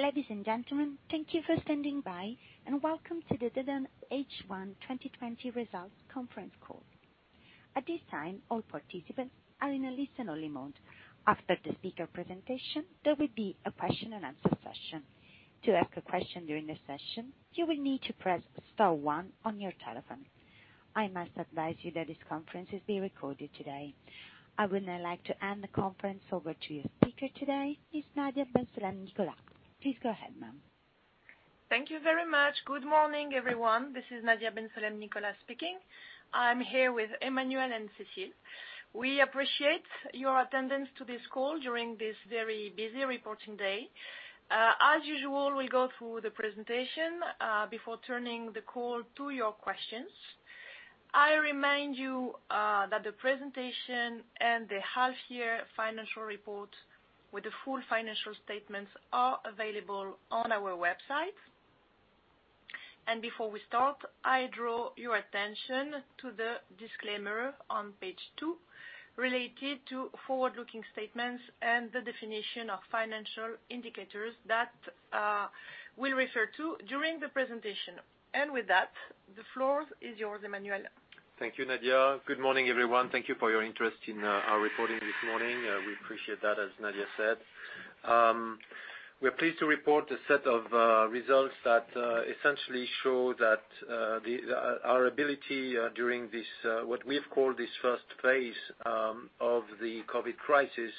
Ladies and gentlemen, thank you for standing by, and welcome to the Danone H1 2020 Results Conference Call. At this time, all participants are in a listen-only mode. After the speaker presentation, there will be a question and answer session. To ask a question during the session, you will need to press star one on your telephone. I must advise you that this conference is being recorded today. I would now like to hand the conference over to your speaker today, Ms. Nadia Bensalem-Nicolas. Please go ahead, ma'am. Thank you very much. Good morning, everyone. This is Nadia Bensalem-Nicolas speaking. I'm here with Emmanuel and Cécile. We appreciate your attendance to this call during this very busy reporting day. As usual, we'll go through the presentation, before turning the call to your questions. I remind you that the presentation and the half-year financial report with the full financial statements are available on our website. Before we start, I draw your attention to the disclaimer on page two related to forward-looking statements and the definition of financial indicators that we'll refer to during the presentation. With that, the floor is yours, Emmanuel. Thank you, Nadia. Good morning, everyone. Thank you for your interest in our reporting this morning. We appreciate that, as Nadia said. We're pleased to report a set of results that essentially show that our ability during what we've called this first phase of the COVID crisis,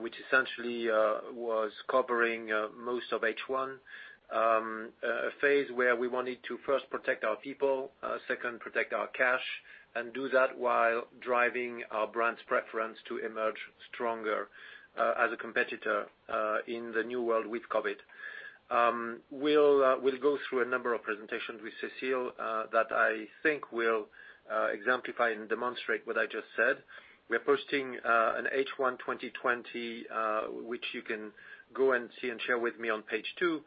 which essentially, was covering most of H1. A phase where we wanted to first protect our people, second, protect our cash, and do that while driving our brand's preference to emerge stronger as a competitor in the new world with COVID. We'll go through a number of presentations with Cécile, that I think will exemplify and demonstrate what I just said. We're posting an H1 2020, which you can go and see and share with me on page two,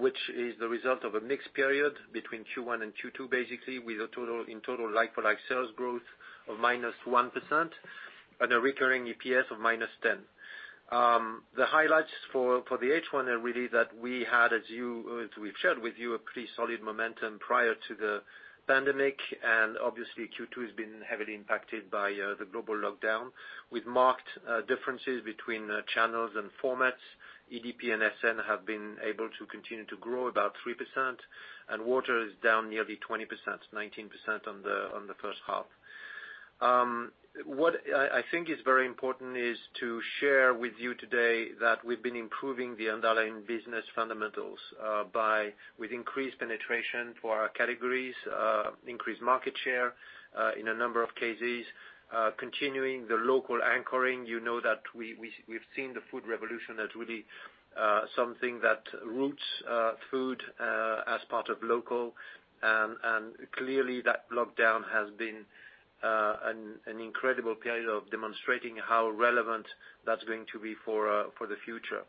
which is the result of a mixed period between Q1 and Q2, basically, with in total like-for-like sales growth of minus 1% and a recurring EPS of minus 10%. The highlights for the H1 are really that we had, as we've shared with you, a pretty solid momentum prior to the pandemic, and obviously Q2 has been heavily impacted by the global lockdown with marked differences between channels and formats. EDP and SN have been able to continue to grow about 3%, and water is down nearly 20%, 19% on the first half. What I think is very important is to share with you today that we've been improving the underlying business fundamentals with increased penetration for our categories, increased market share, in a number of cases, continuing the local anchoring. You know that we've seen the food revolution as really something that roots food, as part of local. Clearly that lockdown has been an incredible period of demonstrating how relevant that's going to be for the future.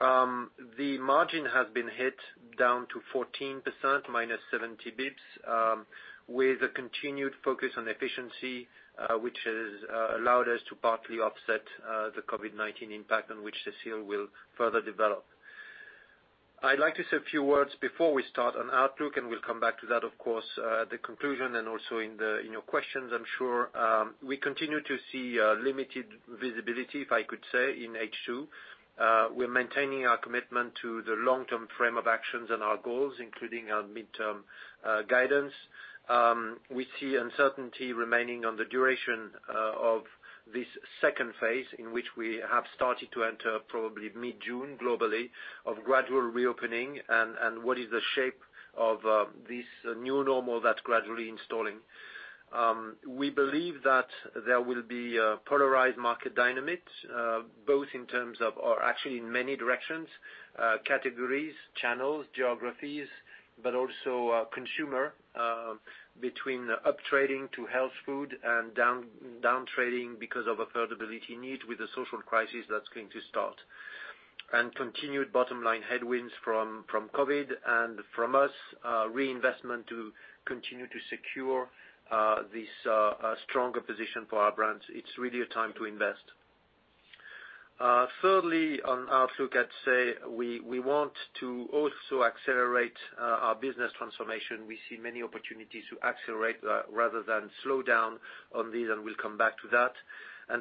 The margin has been hit down to 14%, minus 70 BPS, with a continued focus on efficiency, which has allowed us to partly offset the COVID-19 impact on which Cécile will further develop. I'd like to say a few words before we start on outlook, and we'll come back to that, of course, at the conclusion and also in your questions, I'm sure. We continue to see limited visibility, if I could say, in H2. We're maintaining our commitment to the long-term frame of actions and our goals, including our midterm guidance. We see uncertainty remaining on the duration of this second phase, in which we have started to enter probably mid-June globally, of gradual reopening and what is the shape of this new normal that's gradually installing. We believe that there will be a polarized market dynamic both in terms of, or actually in many directions, categories, channels, geographies, but also consumer, between up-trading to health food and down-trading because of affordability need with the social crisis that's going to start. Continued bottom-line headwinds from COVID and from us, reinvestment to continue to secure this stronger position for our brands. It's really a time to invest. Thirdly, on outlook, I'd say we want to also accelerate our business transformation. We see many opportunities to accelerate rather than slow down on these, and we'll come back to that.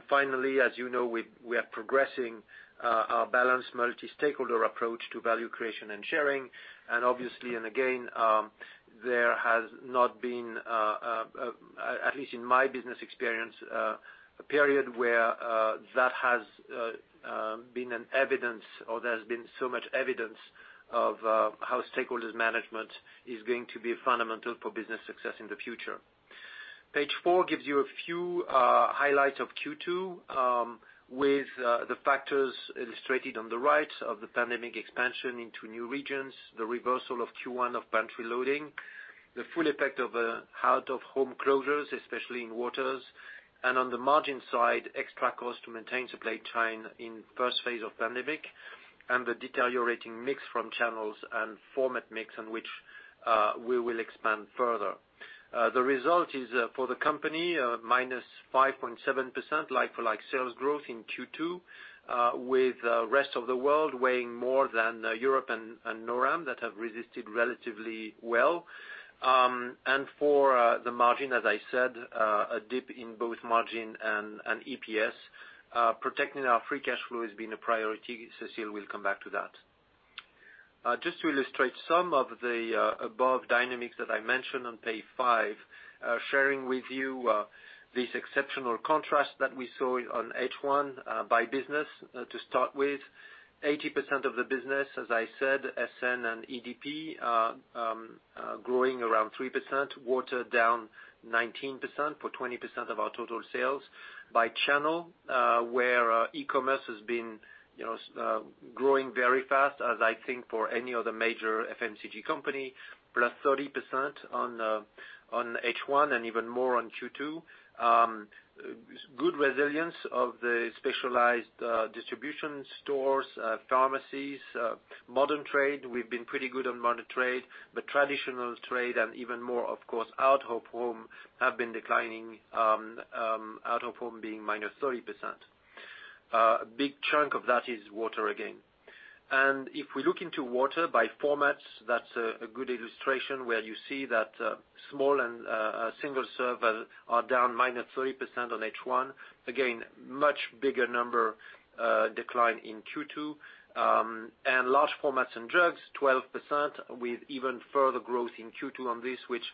Finally, as you know, we are progressing our balanced multi-stakeholder approach to value creation and sharing. Obviously, again, there has not been, at least in my business experience, a period where that has been an evidence or there's been so much evidence of how stakeholders management is going to be fundamental for business success in the future. Page four gives you a few highlights of Q2, with the factors illustrated on the right of the pandemic expansion into new regions, the reversal of Q1 of pantry loading, the full effect of out-of-home closures, especially in waters. On the margin side, extra cost to maintain supply chain in first phase of pandemic, and the deteriorating mix from channels and format mix in which we will expand further. The result is for the company, -5.7% like-for-like sales growth in Q2, with the rest of the world weighing more than Europe and NORAM that have resisted relatively well. For the margin, as I said, a dip in both margin and EPS. Protecting our free cash flow has been a priority. Cécile will come back to that. Just to illustrate some of the above dynamics that I mentioned on page five, sharing with you this exceptional contrast that we saw on H1 by business to start with. 80% of the business, as I said, SN and EDP, are growing around 3%, water down 19% for 20% of our total sales. By channel, where e-commerce has been growing very fast as I think for any other major FMCG company, plus 30% on H1 and even more on Q2. Good resilience of the specialized distribution stores, pharmacies, modern trade. Traditional trade and even more, of course, out-of-home have been declining, out-of-home being minus 30%. A big chunk of that is water again. If we look into water by formats, that's a good illustration where you see that small and single-serve are down minus 30% on H1. Again, much bigger number decline in Q2. Large formats and jugs 12% with even further growth in Q2 on this, which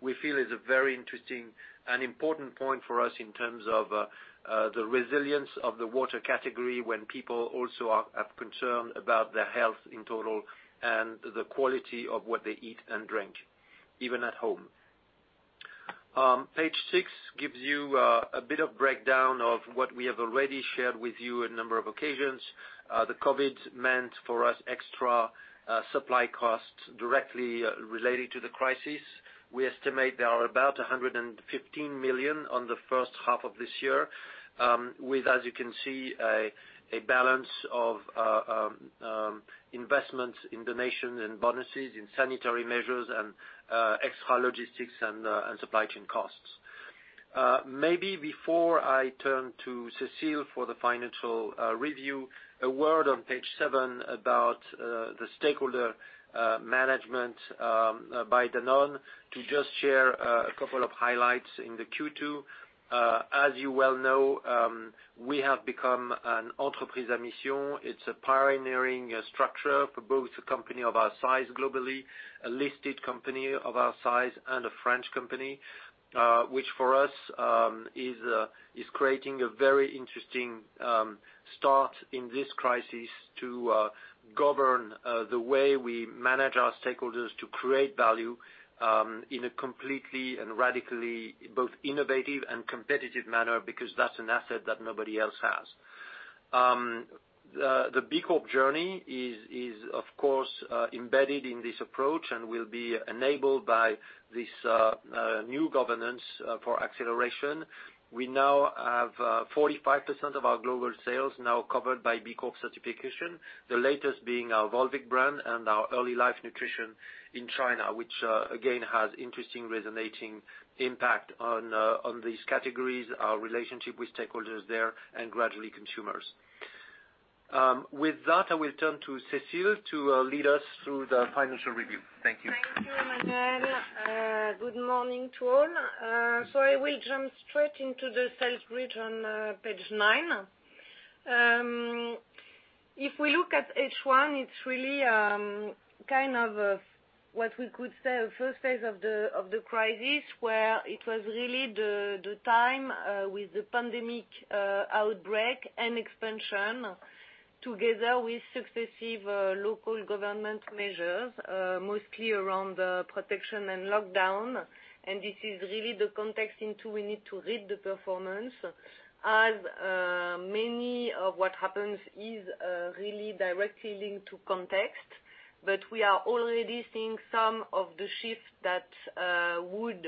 we feel is a very interesting and important point for us in terms of the resilience of the water category when people also are concerned about their health in total and the quality of what they eat and drink, even at home. Page six gives you a bit of breakdown of what we have already shared with you a number of occasions. The COVID meant for us extra supply costs directly relating to the crisis. We estimate there are about 115 million on the first half of this year, with, as you can see, a balance of investments in donations and bonuses, in sanitary measures and extra logistics and supply chain costs. Maybe before I turn to Cécile for the financial review, a word on page seven about the stakeholder management by Danone to just share a couple of highlights in the Q2. As you well know, we have become an entreprise à mission. It's a pioneering structure for both a company of our size globally, a listed company of our size, and a French company, which for us is creating a very interesting start in this crisis to govern the way we manage our stakeholders to create value in a completely and radically both innovative and competitive manner, because that's an asset that nobody else has. The B Corp journey is, of course, embedded in this approach and will be enabled by this new governance for acceleration. We now have 45% of our global sales now covered by B Corp certification, the latest being our Volvic brand and our early life nutrition in China, which again, has interesting resonating impact on these categories, our relationship with stakeholders there and gradually consumers. With that, I will turn to Cécile to lead us through the financial review. Thank you. Thank you, Emmanuel. Good morning to all. I will jump straight into the sales bridge on page nine. If we look at H1, it's really what we could say, a first phase of the crisis, where it was really the time with the pandemic outbreak and expansion together with successive local government measures, mostly around protection and lockdown. This is really the context into we need to read the performance, as many of what happens is really directly linked to context. We are already seeing some of the shift that would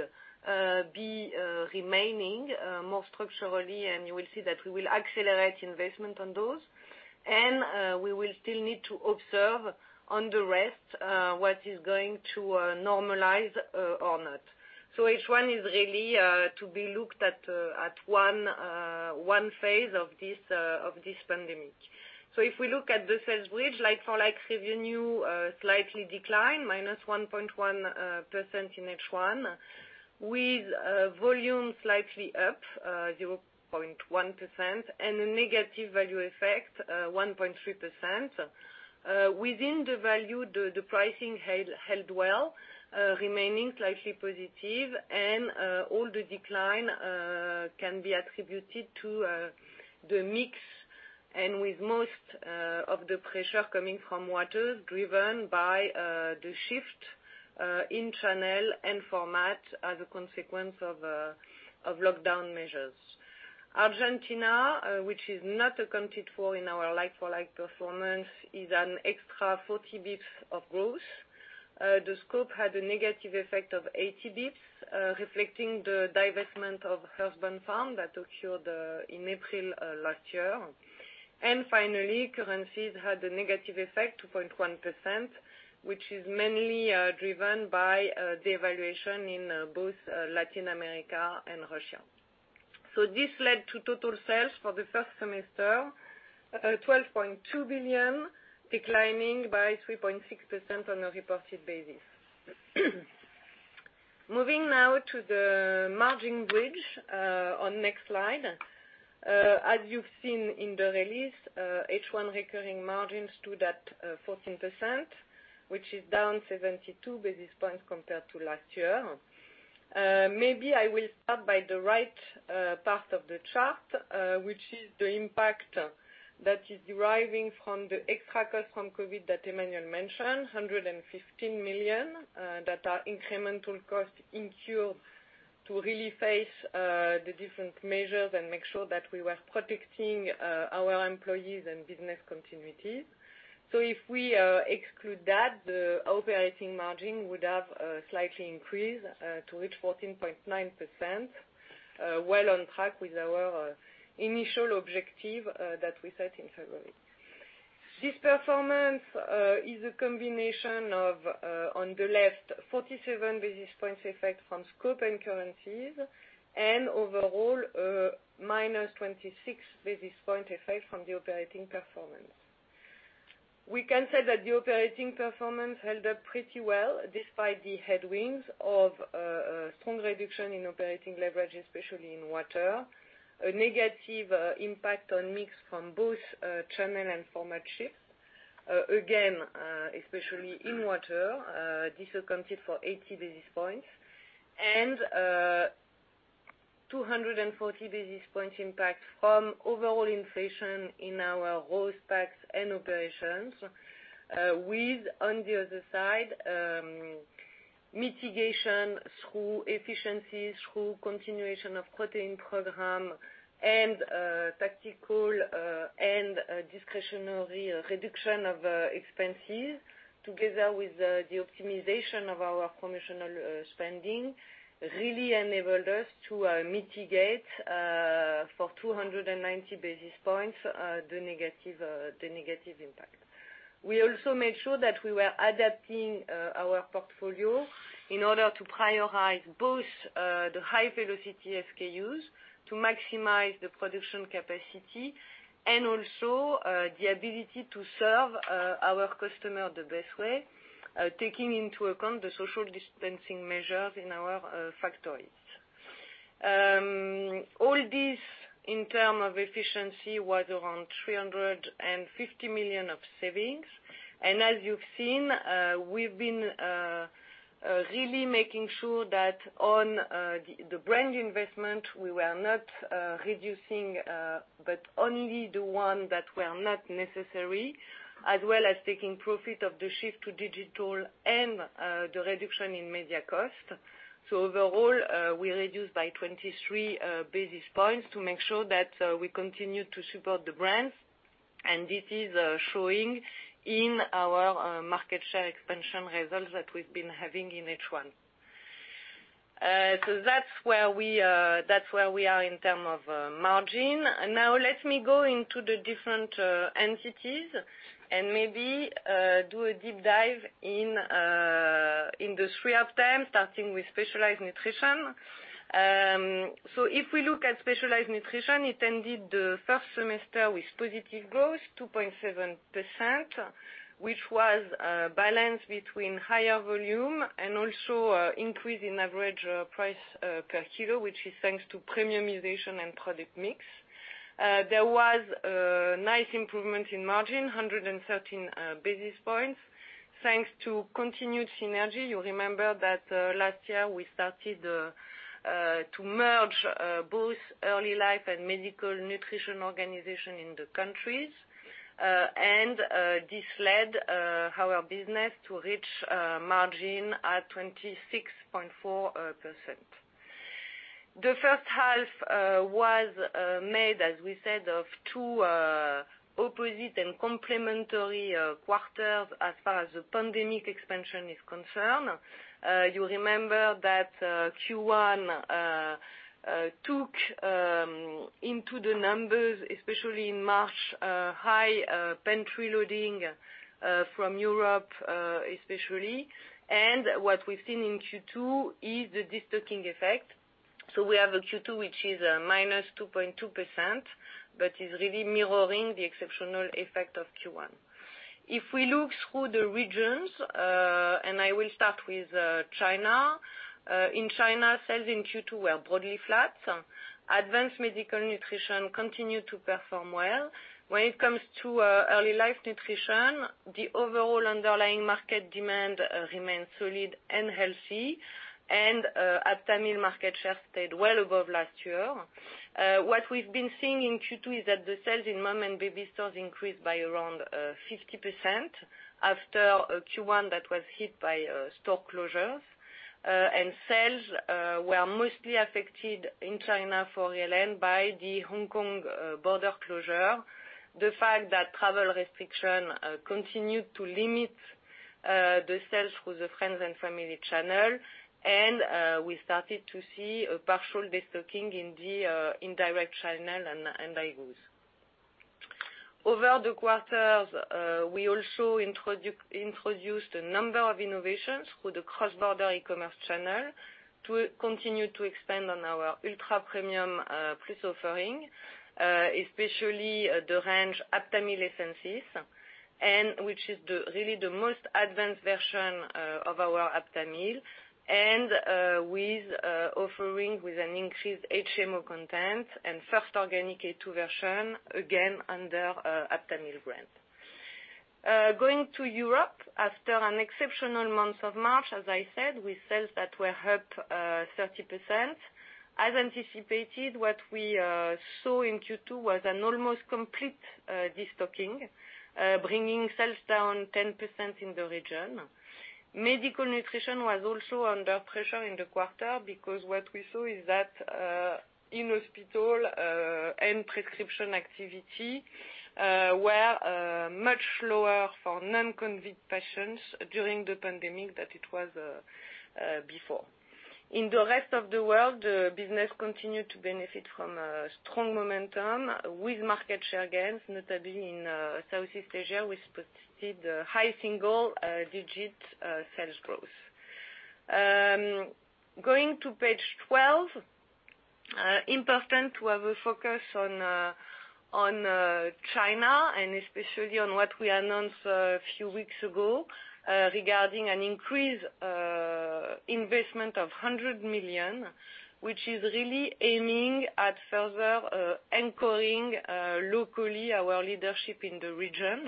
be remaining more structurally, and you will see that we will accelerate investment on those. We will still need to observe on the rest what is going to normalize or not. H1 is really to be looked at one phase of this pandemic. If we look at the sales bridge, like-for-like revenue slightly declined, -1.1% in H1, with volume slightly up 0.1% and a negative value effect, 1.3%. Within the value, the pricing held well, remaining slightly positive and all the decline can be attributed to the mix and with most of the pressure coming from waters driven by the shift in channel and format as a consequence of lockdown measures. Argentina, which is not accounted for in our like-for-like performance, is an extra 40 basis points of growth. The scope had a negative effect of 80 basis points, reflecting the divestment of Earthbound Farm that occurred in April last year. Finally, currencies had a negative effect, 2.1%, which is mainly driven by the evaluation in both Latin America and Russia. This led to total sales for the first semester, 12.2 billion, declining by 3.6% on a reported basis. Moving now to the margin bridge, on next slide. As you've seen in the release, H1 recurring margins stood at 14%, which is down 72 basis points compared to last year. Maybe I will start by the right part of the chart, which is the impact that is deriving from the extra cost from COVID that Emmanuel mentioned, 115 million, that are incremental costs incurred to really face the different measures and make sure that we were protecting our employees and business continuity. If we exclude that, the operating margin would have slightly increased to reach 14.9%, well on track with our initial objective that we set in February. This performance is a combination of, on the left, 47 basis points effect from scope and currencies, and overall, a minus 26 basis point effect from the operating performance. We can say that the operating performance held up pretty well despite the headwinds of a strong reduction in operating leverage, especially in water. A negative impact on mix from both channel and format shift. Again, especially in water, this accounted for 80 basis points, and 240 basis points impact from overall inflation in our raws and packs and operations, with, on the other side, mitigation through efficiencies, through continuation of cutting program, and tactical and discretionary reduction of expenses together with the optimization of our promotional spending, really enabled us to mitigate, for 290 basis points, the negative impact. We also made sure that we were adapting our portfolio in order to prioritize both the high velocity SKUs to maximize the production capacity and also the ability to serve our customer the best way, taking into account the social dispensing measures in our factories. All this, in term of efficiency, was around 350 million of savings. As you've seen, we've been really making sure that on the brand investment, we were not reducing, but only the one that were not necessary, as well as taking profit of the shift to digital and the reduction in media cost. Overall, we reduced by 23 basis points to make sure that we continue to support the brands, and this is showing in our market share expansion results that we've been having in H1. That's where we are in term of margin. Let me go into the different entities and maybe do a deep dive in the three of them, starting with Specialized Nutrition. If we look at Specialized Nutrition, it ended the first semester with positive growth, 2.7%, which was a balance between higher volume and also increase in average price per kilo, which is thanks to premiumization and product mix. There was a nice improvement in margin, 113 basis points, thanks to continued synergy. You remember that last year we started to merge both Early Life Nutrition and Medical Nutrition organization in the countries, and this led our business to reach margin at 26.4%. The first half was made, as we said, of two opposite and complementary quarters as far as the pandemic expansion is concerned. You remember that Q1 took into the numbers, especially in March, high pantry loading from Europe especially, and what we've seen in Q2 is the de-stocking effect. We have a Q2, which is a minus 2.2%, but is really mirroring the exceptional effect of Q1. If we look through the regions, I will start with China. In China, sales in Q2 were broadly flat. Advanced medical nutrition continued to perform well. When it comes to early life nutrition, the overall underlying market demand remains solid and healthy, and Aptamil market share stayed well above last year. What we've been seeing in Q2 is that the sales in mom and baby stores increased by around 50% after a Q1 that was hit by store closures, and sales were mostly affected in China for ELN by the Hong Kong border closure. The fact that travel restriction continued to limit the sales through the friends and family channel, and we started to see a partial destocking in the indirect channel. Over the quarters, we also introduced a number of innovations with the cross-border e-commerce channel to continue to expand on our ultra-premium price offering, especially the range Aptamil Essensis, which is really the most advanced version of our Aptamil, and with offering with an increased HMO content and first organic A2 version, again, under Aptamil brand. Going to Europe, after an exceptional month of March, as I said, with sales that were up 30%. As anticipated, what we saw in Q2 was an almost complete destocking, bringing sales down 10% in the region. Medical Nutrition was also under pressure in the quarter because what we saw is that in-hospital and prescription activity were much lower for non-COVID patients during the pandemic than it was before. In the rest of the world, business continued to benefit from strong momentum with market share gains, notably in Southeast Asia, which posted high single-digit sales growth. Going to page 12, important to have a focus on China and especially on what we announced a few weeks ago regarding an increased investment of 100 million, which is really aiming at further anchoring locally our leadership in the region,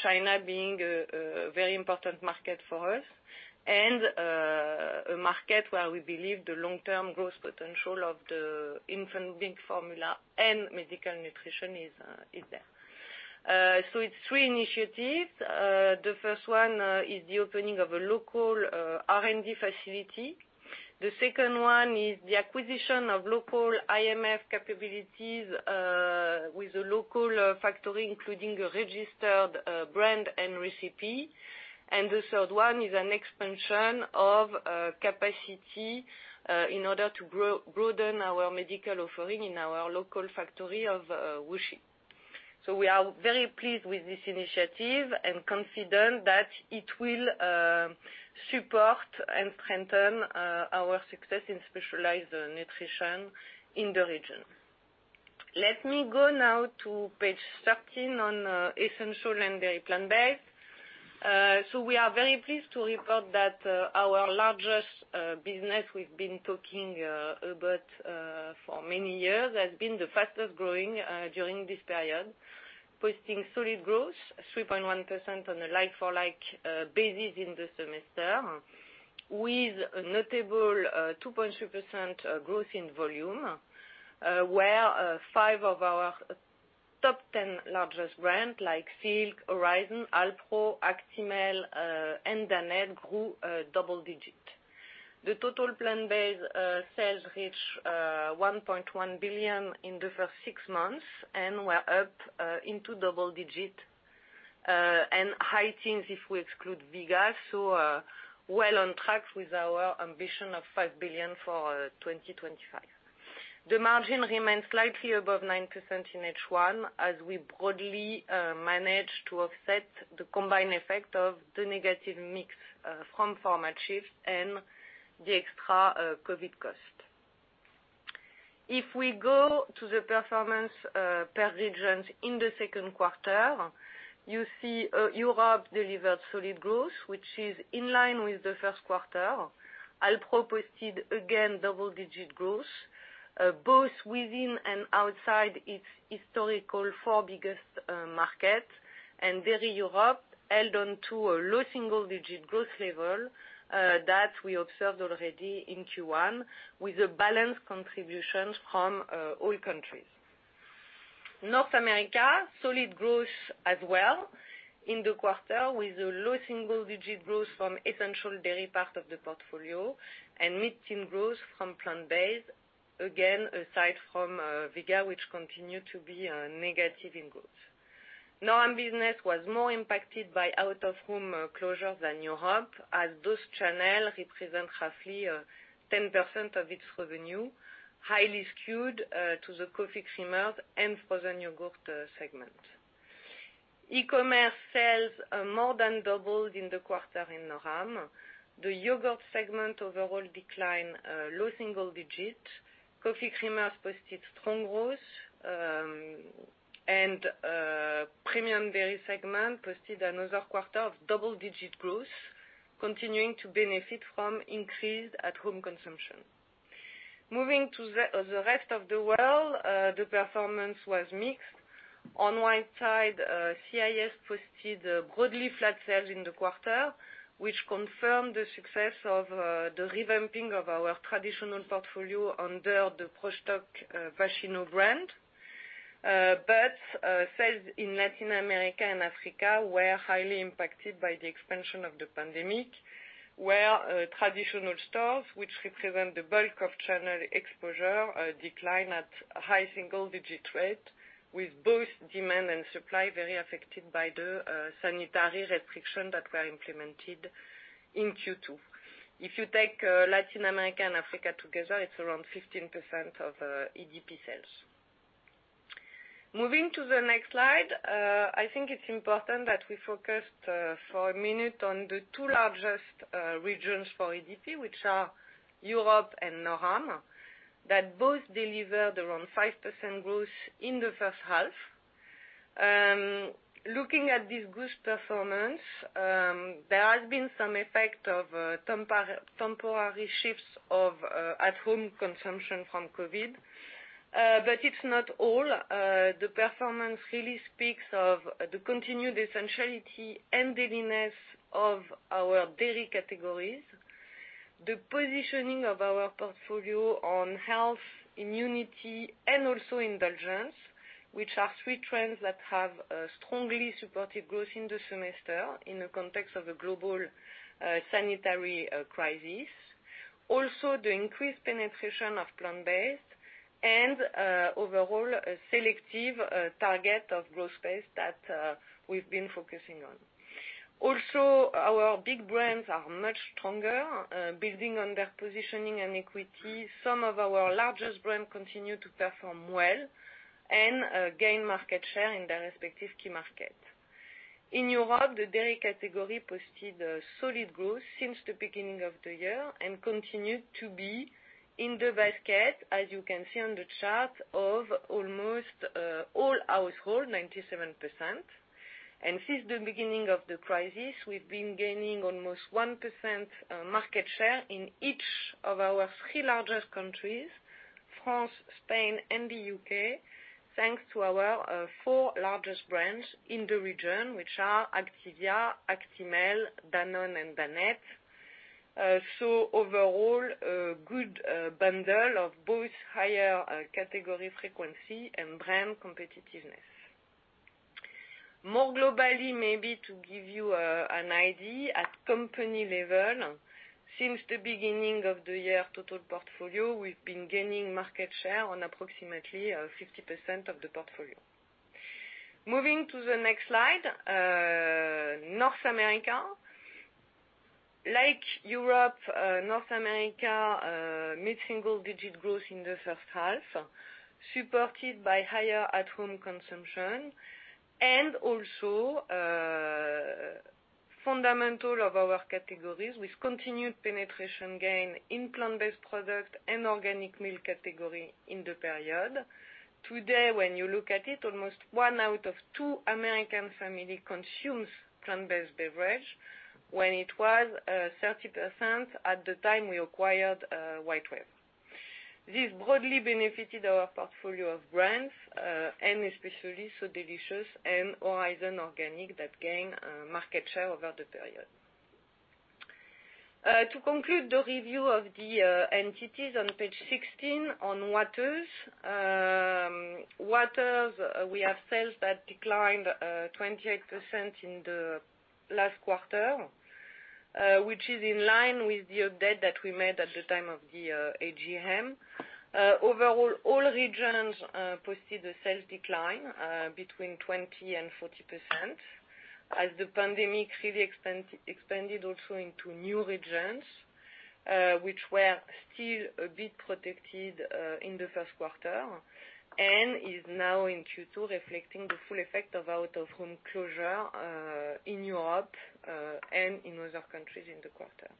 China being a very important market for us and a market where we believe the long-term growth potential of the infant milk formula and medical nutrition is there. It's three initiatives. The first one is the opening of a local R&D facility. The second one is the acquisition of local IMF capabilities with a local factory, including a registered brand and recipe. The third one is an expansion of capacity in order to broaden our medical offering in our local factory of Wuxi. We are very pleased with this initiative and confident that it will support and strengthen our success in Specialized Nutrition in the region. Let me go now to page 13 on Essential Dairy and Plant Based. We are very pleased to report that our largest business we've been talking about for many years has been the fastest-growing during this period, posting solid growth, 3.1% on a like-for-like basis in the semester, with a notable 2.3% growth in volume, where five of our top 10 largest brands like Silk, Horizon, Alpro, Actimel, and Danette grew double digit. The total plant-based sales reached 1.1 billion in the first six months and were up into double-digit and high teens if we exclude Vega, are well on track with our ambition of 5 billion for 2025. The margin remains slightly above 9% in H1 as we broadly managed to offset the combined effect of the negative mix from format shift and the extra COVID cost. If we go to the performance per region in the second quarter, you see Europe delivered solid growth, which is in line with the first quarter. Alpro posted again double-digit growth, both within and outside its historical four biggest markets. Dairy Europe held on to a low single-digit growth level that we observed already in Q1 with a balanced contribution from all countries. North America, solid growth as well in the quarter with a low single-digit growth from Essential Dairy part of the portfolio and mid-teen growth from plant-based, again, aside from Vega, which continued to be negative in growth. NORAM business was more impacted by out-of-home closure than Europe, as those channels represent roughly 10% of its revenue, highly skewed to the coffee creamer and frozen yogurt segment. E-commerce sales more than doubled in the quarter in NORAM. The yogurt segment overall declined low single digits. Coffee creamers posted strong growth, and premium dairy segment posted another quarter of double-digit growth, continuing to benefit from increased at-home consumption. Moving to the rest of the world, the performance was mixed. On white side, CIS posted broadly flat sales in the quarter, which confirmed the success of the revamping of our traditional portfolio under the Prostokvashino brand. Sales in Latin America and Africa were highly impacted by the expansion of the pandemic. Traditional stores, which represent the bulk of channel exposure, decline at high single-digit rate with both demand and supply very affected by the sanitary restriction that were implemented in Q2. If you take Latin America and Africa together, it's around 15% of EDP sales. Moving to the next slide. I think it's important that we focused for a minute on the two largest regions for EDP, which are Europe and NORAM, that both delivered around 5% growth in the first half. Looking at this good performance, there has been some effect of temporary shifts of at-home consumption from COVID, but it's not all. The performance really speaks of the continued essentiality and dailiness of our dairy categories, the positioning of our portfolio on health, immunity, and also indulgence, which are three trends that have strongly supported growth in the semester in the context of a global sanitary crisis. Also, the increased penetration of plant-based and, overall, a selective target of growth space that we've been focusing on. Also, our big brands are much stronger, building on their positioning and equity. Some of our largest brands continue to perform well and gain market share in their respective key markets. In Europe, the dairy category posted a solid growth since the beginning of the year and continued to be in the basket, as you can see on the chart, of almost all household, 97%. Since the beginning of the crisis, we've been gaining almost 1% market share in each of our three largest countries, France, Spain and the U.K., thanks to our four largest brands in the region, which are Activia, Actimel, Danone and Danette. Overall, a good bundle of both higher category frequency and brand competitiveness. More globally, maybe to give you an idea, at company level, since the beginning of the year total portfolio, we've been gaining market share on approximately 50% of the portfolio. Moving to the next slide. North America. Like Europe, North America, mid-single digit growth in the first half, supported by higher at-home consumption and also fundamental of our categories with continued penetration gain in plant-based product and organic milk category in the period. Today, when you look at it, almost one out of two American family consumes plant-based beverage, when it was 30% at the time we acquired WhiteWave. This broadly benefited our portfolio of brands, and especially So Delicious and Horizon Organic, that gained market share over the period. To conclude the review of the entities on page 16 on waters. Waters, we have sales that declined 28% in the last quarter, which is in line with the update that we made at the time of the AGM. Overall, all regions posted a sales decline between 20% and 40%, as the pandemic really expanded also into new regions, which were still a bit protected in the first quarter and is now in Q2, reflecting the full effect of out-of-home closure, in Europe and in other countries in the quarter.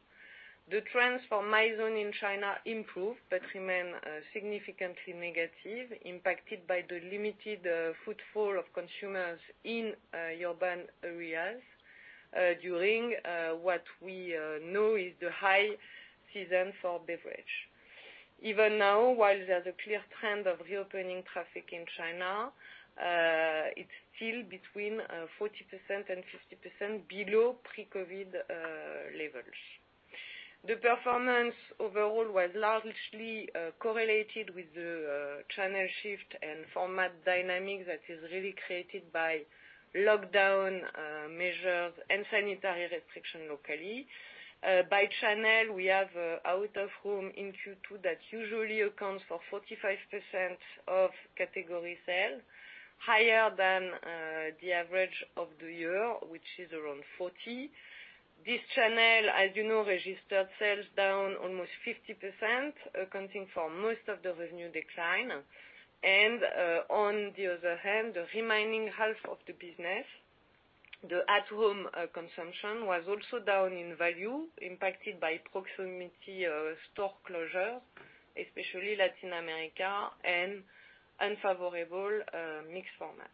The trends for Mizone in China improved but remain significantly negative, impacted by the limited footfall of consumers in urban areas during what we know is the high season for beverage. Now, while there's a clear trend of reopening traffic in China, it's still between 40%-50% below pre-COVID levels. The performance overall was largely correlated with the channel shift and format dynamic that is really created by lockdown measures and sanitary restriction locally. By channel, we have out-of-home in Q2 that usually accounts for 45% of category sale, higher than the average of the year, which is around 40%. This channel, as you know, registered sales down almost 50%, accounting for most of the revenue decline. On the other hand, the remaining half of the business, the at-home consumption, was also down in value, impacted by proximity store closure, especially Latin America and unfavorable mixed format.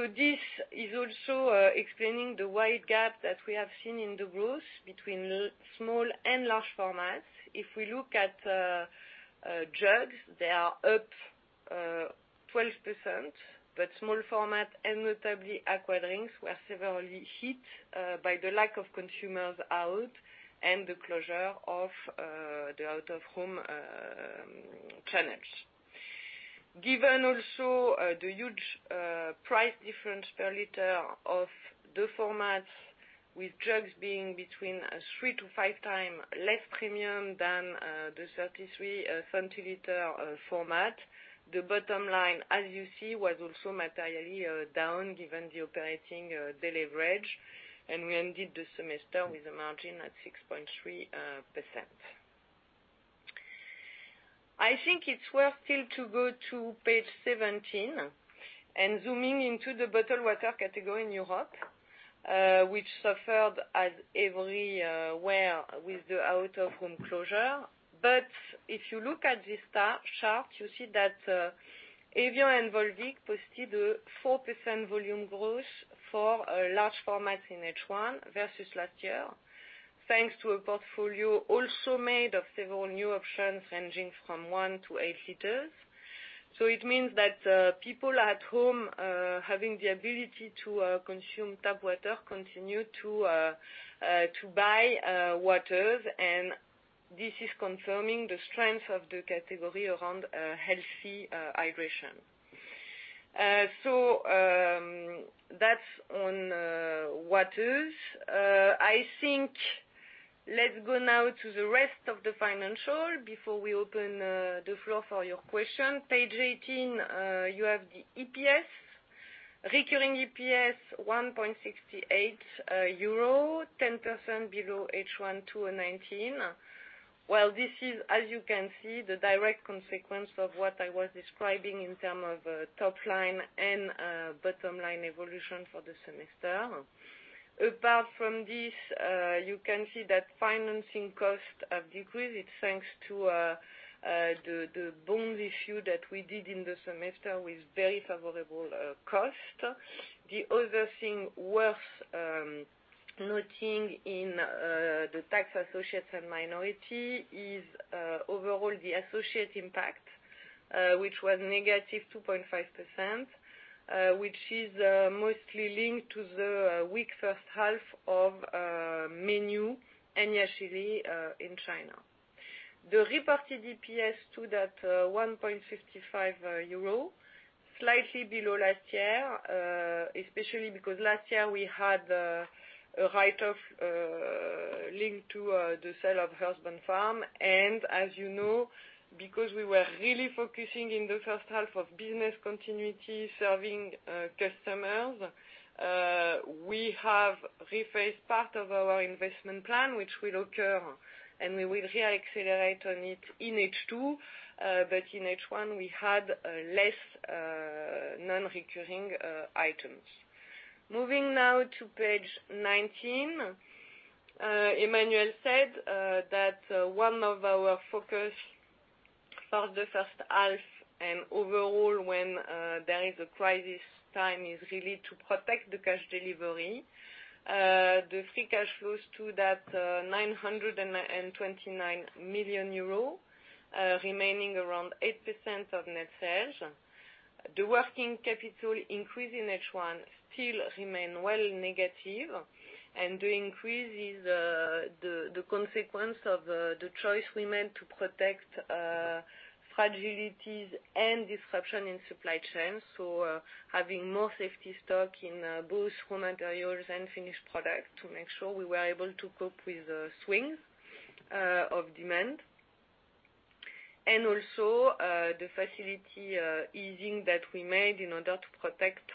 This is also explaining the wide gap that we have seen in the growth between small and large formats. If we look at jugs, they are up 12%, but small format and notably aqua drinks, were severely hit by the lack of consumers out and the closure of the out-of-home channels. Given also the huge price difference per liter of the formats with jugs being between three to five times less premium than the 33 centiliter format. The bottom line, as you see, was also materially down given the operating deleverage, and we ended the semester with a margin at 6.3%. I think it is worth it to go to page 17, and zooming into the bottled water category in Europe, which suffered everywhere with the out-of-home closure. If you look at this chart, you see that evian and Volvic posted a 4% volume growth for large formats in H1 versus last year, thanks to a portfolio also made of several new options ranging from one to eight liters. It means that people at home, having the ability to consume tap water, continue to buy waters, and this is confirming the strength of the category around healthy hydration. That's on waters. I think, let's go now to the rest of the financial before we open the floor for your questions. Page 18, you have the EPS. Recurring EPS, 1.68 euro, 10% below H1 2019. Well, this is, as you can see, the direct consequence of what I was describing in term of top line and bottom-line evolution for the semester. Apart from this, you can see that financing costs have decreased. It's thanks to the bonds issue that we did in the semester with very favorable cost. The other thing worth noting in the tax associates and minority is, overall, the associate impact, which was -2.5%, which is mostly linked to the weak first half of Mengniu and Yashili in China. The reported EPS stood at €1.55, slightly below last year, especially because last year we had a write-off linked to the sale of Earthbound Farm, and as you know, because we were really focusing in the first half of business continuity, serving customers, we have rephased part of our investment plan, which will occur, and we will re-accelerate on it in H2. In H1, we had less non-recurring items. Moving now to page 19. Emmanuel said that one of our focus for the first half and overall when there is a crisis time is really to protect the cash delivery. The free cash flows stood at €929 million, remaining around 8% of net sales. The working capital increase in H1 still remains well negative. The increase is the consequence of the choice we made to protect fragilities and disruption in supply chain. Having more safety stock in both raw materials and finished product to make sure we were able to cope with the swings of demand. Also, the facility easing that we made in order to protect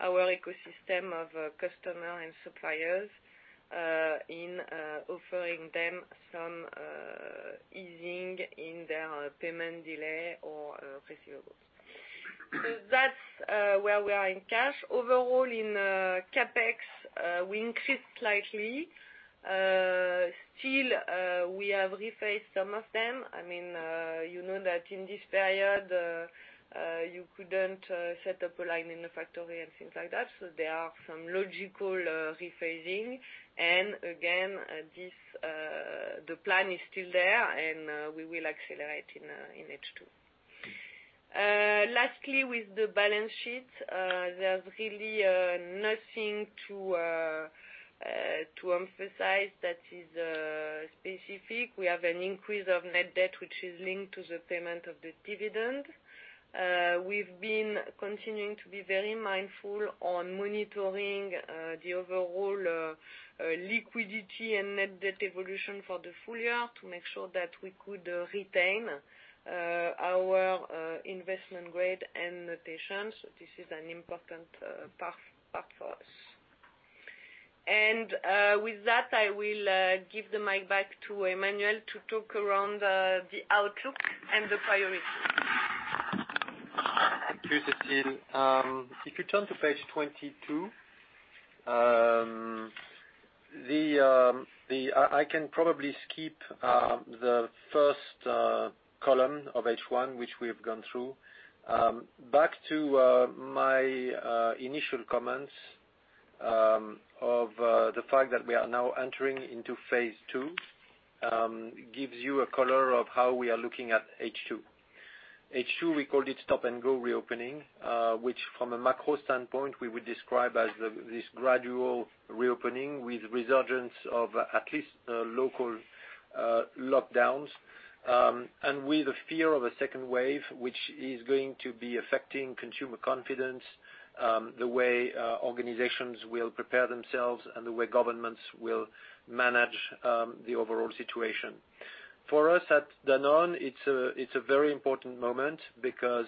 our ecosystem of customer and suppliers in offering them some easing in their payment delay or receivables. That's where we are in cash. Overall, in CapEx, we increased slightly. Still, we have rephased some of them. You know that in this period, you couldn't set up a line in the factory and things like that, there are some logical rephasing. Again, the plan is still there, and we will accelerate in H2. Lastly, with the balance sheet, there's really nothing to emphasize that is specific. We have an increase of net debt, which is linked to the payment of the dividend. We've been continuing to be very mindful on monitoring the overall liquidity and net debt evolution for the full-year to make sure that we could retain our investment grade and notations. This is an important part for us. With that, I will give the mic back to Emmanuel to talk around the outlook and the priorities. Thank you, Cécile. If you turn to page 22, I can probably skip the first column of H1, which we have gone through. Back to my initial comments of the fact that we are now entering into phase 2, gives you a color of how we are looking at H2. H2, we called it stop-and-go reopening, which from a macro standpoint, we would describe as this gradual reopening with resurgence of at least local lockdowns. With the fear of a second wave, which is going to be affecting consumer confidence, the way organizations will prepare themselves and the way governments will manage the overall situation. For us at Danone, it's a very important moment because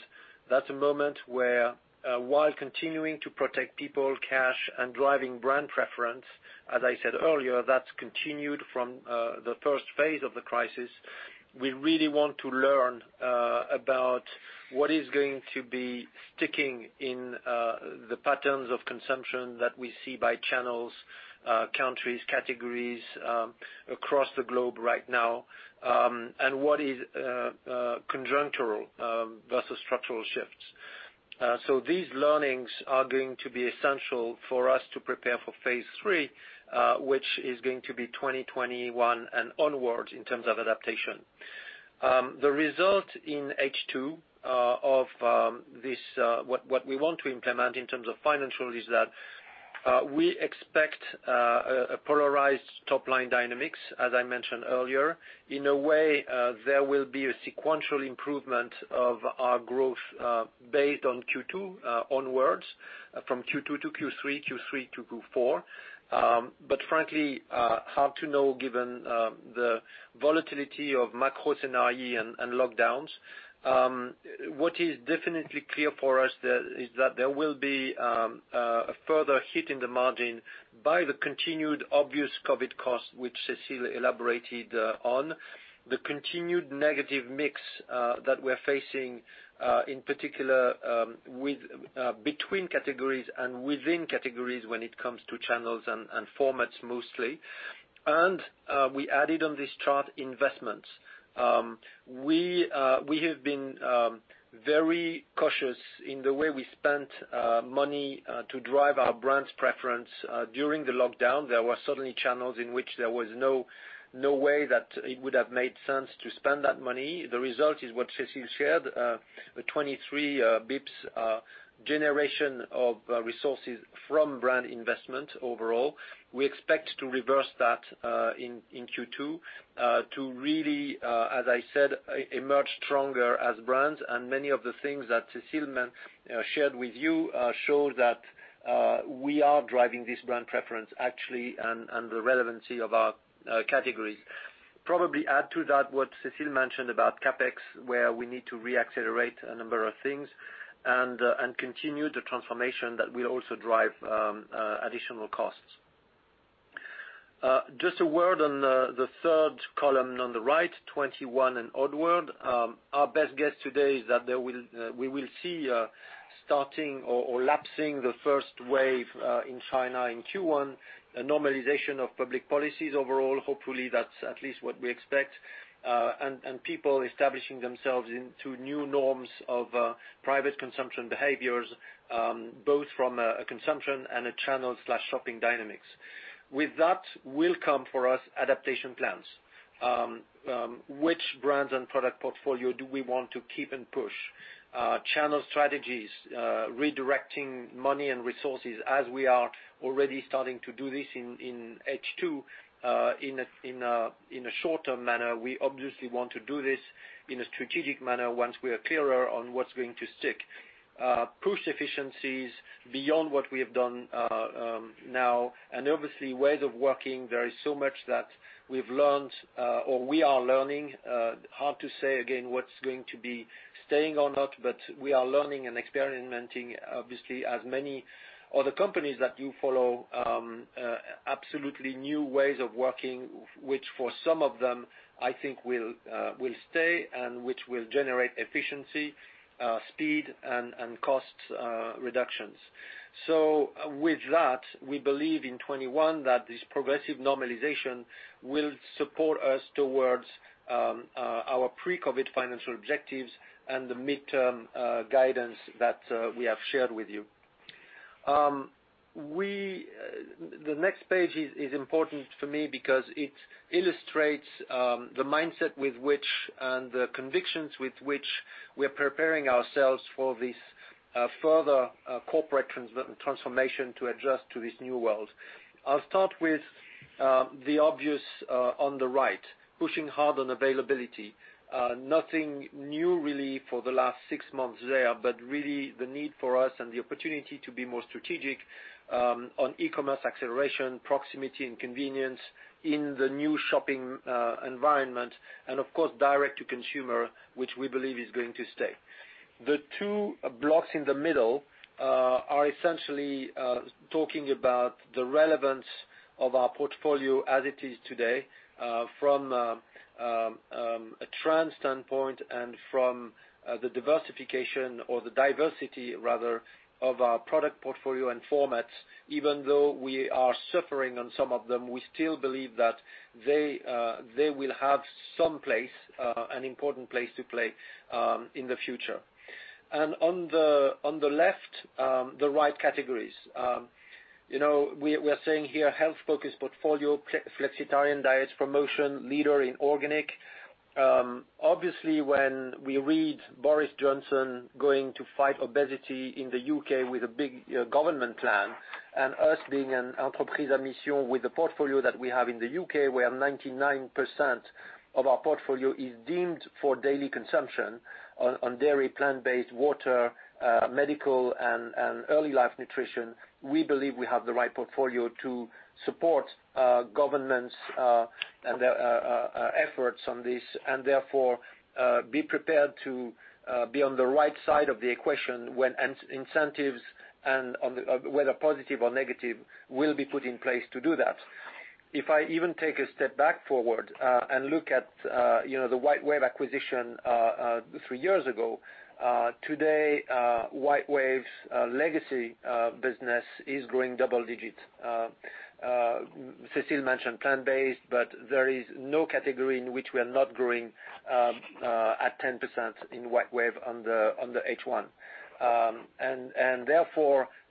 that's a moment where, while continuing to protect people, cash, and driving brand preference, as I said earlier, that's continued from the first phase of the crisis. We really want to learn about what is going to be sticking in the patterns of consumption that we see by channels, countries, categories, across the globe right now. What is conjunctural versus structural shifts. These learnings are going to be essential for us to prepare for phase three, which is going to be 2021 and onwards in terms of adaptation. The result in H2 of what we want to implement in terms of financial is that we expect a polarized top-line dynamics, as I mentioned earlier. In a way, there will be a sequential improvement of our growth based on Q2 onwards, from Q2 to Q3 to Q4. Frankly, hard to know given the volatility of macros in IE and lockdowns. What is definitely clear for us is that there will be a further hit in the margin by the continued obvious COVID costs, which Cécile elaborated on. The continued negative mix that we're facing, in particular between categories and within categories when it comes to channels and formats mostly. We added on this chart investments. We have been very cautious in the way we spent money to drive our brands' preference during the lockdown. There were certainly channels in which there was no way that it would have made sense to spend that money. The result is what Cécile shared, a 23 BPS generation of resources from brand investment overall. We expect to reverse that in Q2 to really, as I said, emerge stronger as brands, and many of the things that Cécile shared with you show that we are driving this brand preference actually, and the relevancy of our categories. Probably add to that what Cécile mentioned about CapEx, where we need to reaccelerate a number of things and continue the transformation that will also drive additional costs. Just a word on the third column on the right, 2021 and onward. Our best guess today is that we will see starting or lapsing the first wave in China in Q1, a normalization of public policies overall. Hopefully, that's at least what we expect. People establishing themselves into new norms of private consumption behaviors, both from a consumption and a channel/shopping dynamics. With that will come for us adaptation plans. Which brands and product portfolio do we want to keep and push? Channel strategies, redirecting money and resources as we are already starting to do this in H2 in a short-term manner. We obviously want to do this in a strategic manner once we are clearer on what's going to stick. Push efficiencies beyond what we have done now, and obviously ways of working. There is so much that we've learned or we are learning. Hard to say again what's going to be staying or not, but we are learning and experimenting obviously as many other companies that you follow, absolutely new ways of working, which for some of them I think will stay and which will generate efficiency, speed, and cost reductions. With that, we believe in 2021 that this progressive normalization will support us towards our pre-COVID financial objectives and the midterm guidance that we have shared with you. The next page is important for me because it illustrates the mindset with which and the convictions with which we're preparing ourselves for this further corporate transformation to adjust to this new world. I'll start with the obvious on the right, pushing hard on availability. Nothing new really for the last six months there, but really the need for us and the opportunity to be more strategic on e-commerce acceleration, proximity, and convenience in the new shopping environment, and of course, direct to consumer, which we believe is going to stay. The two blocks in the middle are essentially talking about the relevance of our portfolio as it is today from a trend standpoint and from the diversification or the diversity rather of our product portfolio and formats. Even though we are suffering on some of them, we still believe that they will have an important place to play in the future. On the right categories. We are saying here, health-focused portfolio, flexitarian diets promotion, leader in organic. Obviously, when we read Boris Johnson going to fight obesity in the U.K. with a big government plan, and us being an with the portfolio that we have in the U.K., where 99% of our portfolio is deemed for daily consumption on dairy, plant-based, water, medical, and early life nutrition, we believe we have the right portfolio to support governments and their efforts on this, and therefore, be prepared to be on the right side of the equation when incentives, whether positive or negative, will be put in place to do that. If I even take a step back forward, and look at the WhiteWave acquisition 3 years ago, today, WhiteWave's legacy business is growing double digits. Cécile mentioned plant-based, but there is no category in which we are not growing at 10% in WhiteWave on the H1.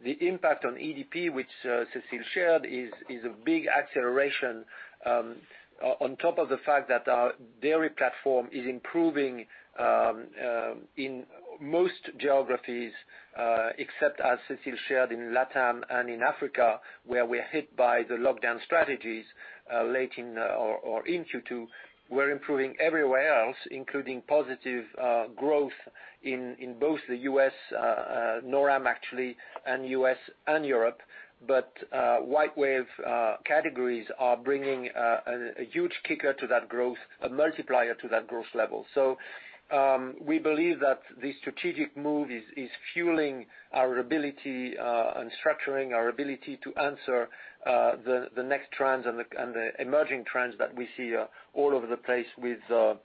The impact on EDP, which Cécile shared, is a big acceleration on top of the fact that our dairy platform is improving in most geographies, except as Cécile shared in LATAM and in Africa, where we're hit by the lockdown strategies late or in Q2. We're improving everywhere else, including positive growth in both the US, NORAM actually, and US and Europe. WhiteWave categories are bringing a huge kicker to that growth, a multiplier to that growth level. We believe that this strategic move is fueling our ability and structuring our ability to answer the next trends and the emerging trends that we see all over the place with the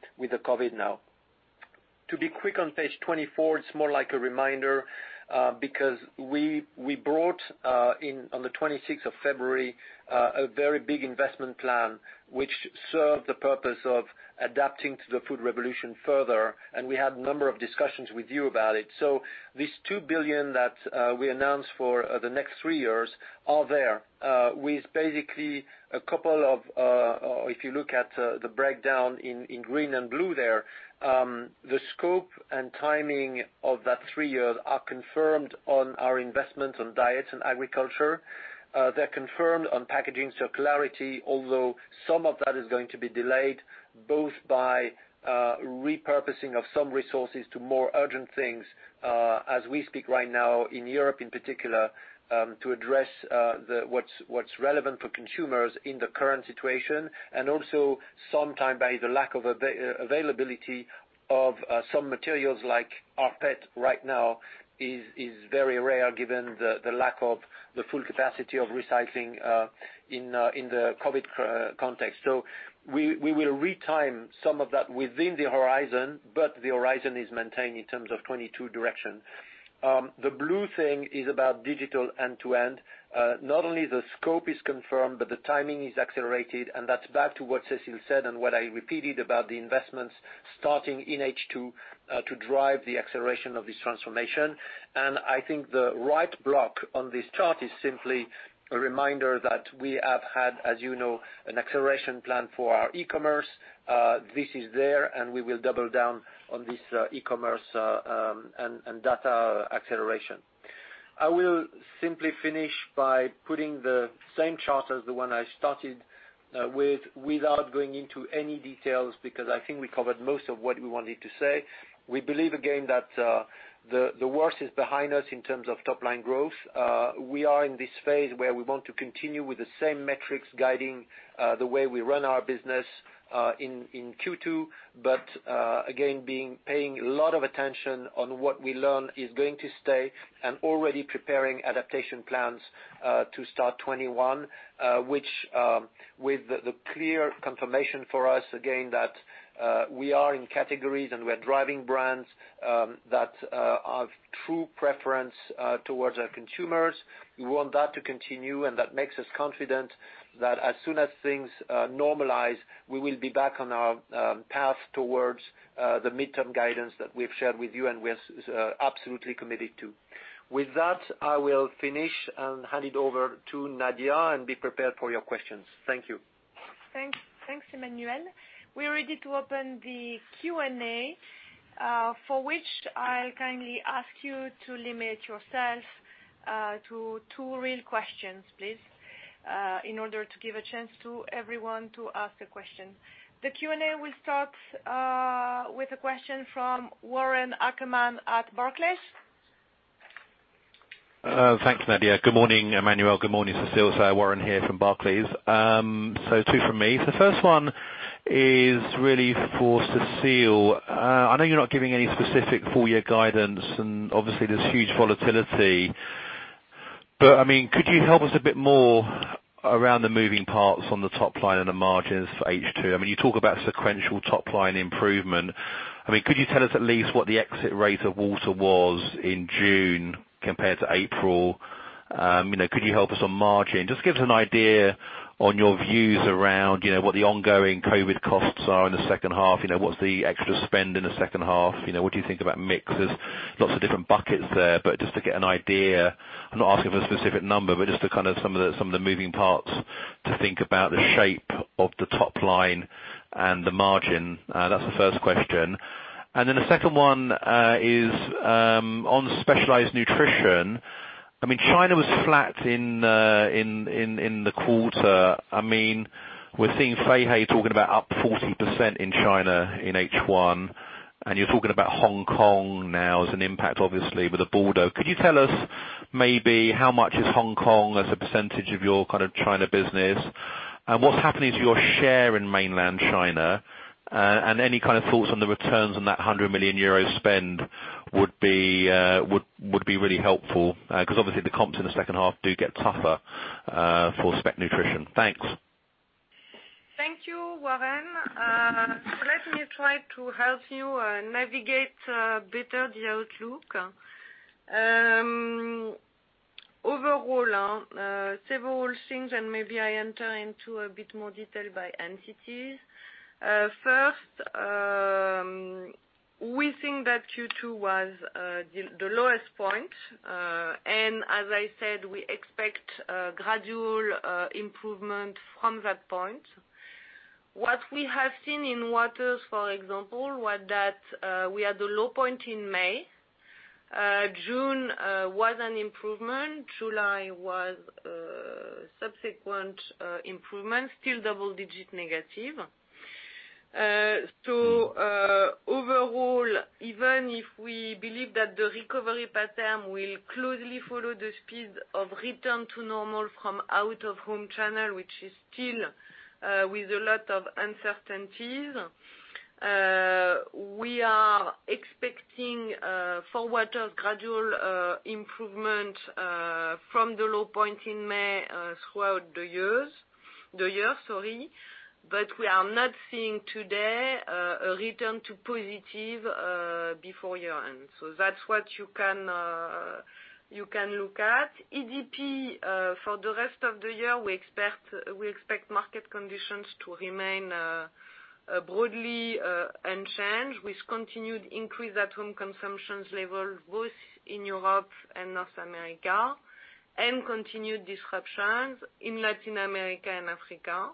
COVID now. To be quick on page 24, it's more like a reminder, because we brought in, on the 26th of February, a very big investment plan, which served the purpose of adapting to the food revolution further, and we had a number of discussions with you about it. This 2 billion that we announced for the next three years are there. If you look at the breakdown in green and blue there, the scope and timing of that three years are confirmed on our investments on diets and agriculture. They're confirmed on packaging circularity, although some of that is going to be delayed, both by repurposing of some resources to more urgent things, as we speak right now in Europe in particular, to address what's relevant for consumers in the current situation. Also some time by the lack of availability of some materials like RPET right now, is very rare given the lack of the full capacity of recycling in the COVID context. We will re-time some of that within the horizon, but the horizon is maintained in terms of 2022 direction. The blue thing is about digital end-to-end. Not only the scope is confirmed, but the timing is accelerated, and that's back to what Cécile said and what I repeated about the investments starting in H2, to drive the acceleration of this transformation. I think the right block on this chart is simply a reminder that we have had, as you know, an acceleration plan for our e-commerce. This is there, and we will double down on this e-commerce and data acceleration. I will simply finish by putting the same chart as the one I started with, without going into any details, because I think we covered most of what we wanted to say. We believe again that the worst is behind us in terms of top-line growth. We are in this phase where we want to continue with the same metrics guiding the way we run our business in Q2, but again, paying a lot of attention on what we learn is going to stay, and already preparing adaptation plans to start 2021. With the clear confirmation for us, again, that we are in categories and we're driving brands that have true preference towards our consumers. We want that to continue, and that makes us confident that as soon as things normalize, we will be back on our path towards the midterm guidance that we've shared with you and we are absolutely committed to. With that, I will finish and hand it over to Nadia, and be prepared for your questions. Thank you. Thanks, Emmanuel. We are ready to open the Q&A, for which I kindly ask you to limit yourself to two real questions, please, in order to give a chance to everyone to ask a question. The Q&A will start with a question from Warren Ackerman at Barclays. Thanks, Nadia. Good morning, Emmanuel. Good morning, Cécile. Warren here from Barclays. Two from me. The first one is really for Cécile. I know you're not giving any specific full year guidance, and obviously, there's huge volatility. Could you help us a bit more around the moving parts on the top line and the margins for H2? You talk about sequential top-line improvement. Could you tell us at least what the exit rate of water was in June compared to April? Could you help us on margin? Just give us an idea on your views around what the ongoing COVID costs are in the second half. What's the extra spend in the second half? What do you think about mix? There's lots of different buckets there, but just to get an idea. I'm not asking for a specific number, but just to kind of some of the moving parts to think about the shape of the top line and the margin. That's the first question. The second one is on specialized nutrition. China was flat in the quarter. We're seeing Feihe talking about up 40% in China in H1, and you're talking about Hong Kong now as an impact, obviously, with the border. Could you tell us maybe how much is Hong Kong as a percentage of your China business? What's happening to your share in mainland China? Any kind of thoughts on the returns on that 100 million euro spend would be really helpful, because obviously, the comps in the second half do get tougher for spec nutrition. Thanks. Thank you, Warren. Let me try to help you navigate better the outlook. Overall, several things, and maybe I enter into a bit more detail by entities. First, we think that Q2 was the lowest point, and as I said, we expect gradual improvement from that point. What we have seen in Waters, for example, was that we had the low point in May. June was an improvement. July was a subsequent improvement, still double-digit negative. Overall, even if we believe that the recovery pattern will closely follow the speed of return to normal from out-of-home channel, which is still with a lot of uncertainties, we are expecting for Waters gradual improvement from the low point in May throughout the years. We are not seeing today a return to positive before year-end. That's what you can look at. EDP, for the rest of the year, we expect market conditions to remain broadly unchanged, with continued increased at-home consumptions level, both in Europe and North America, continued disruptions in Latin America and Africa.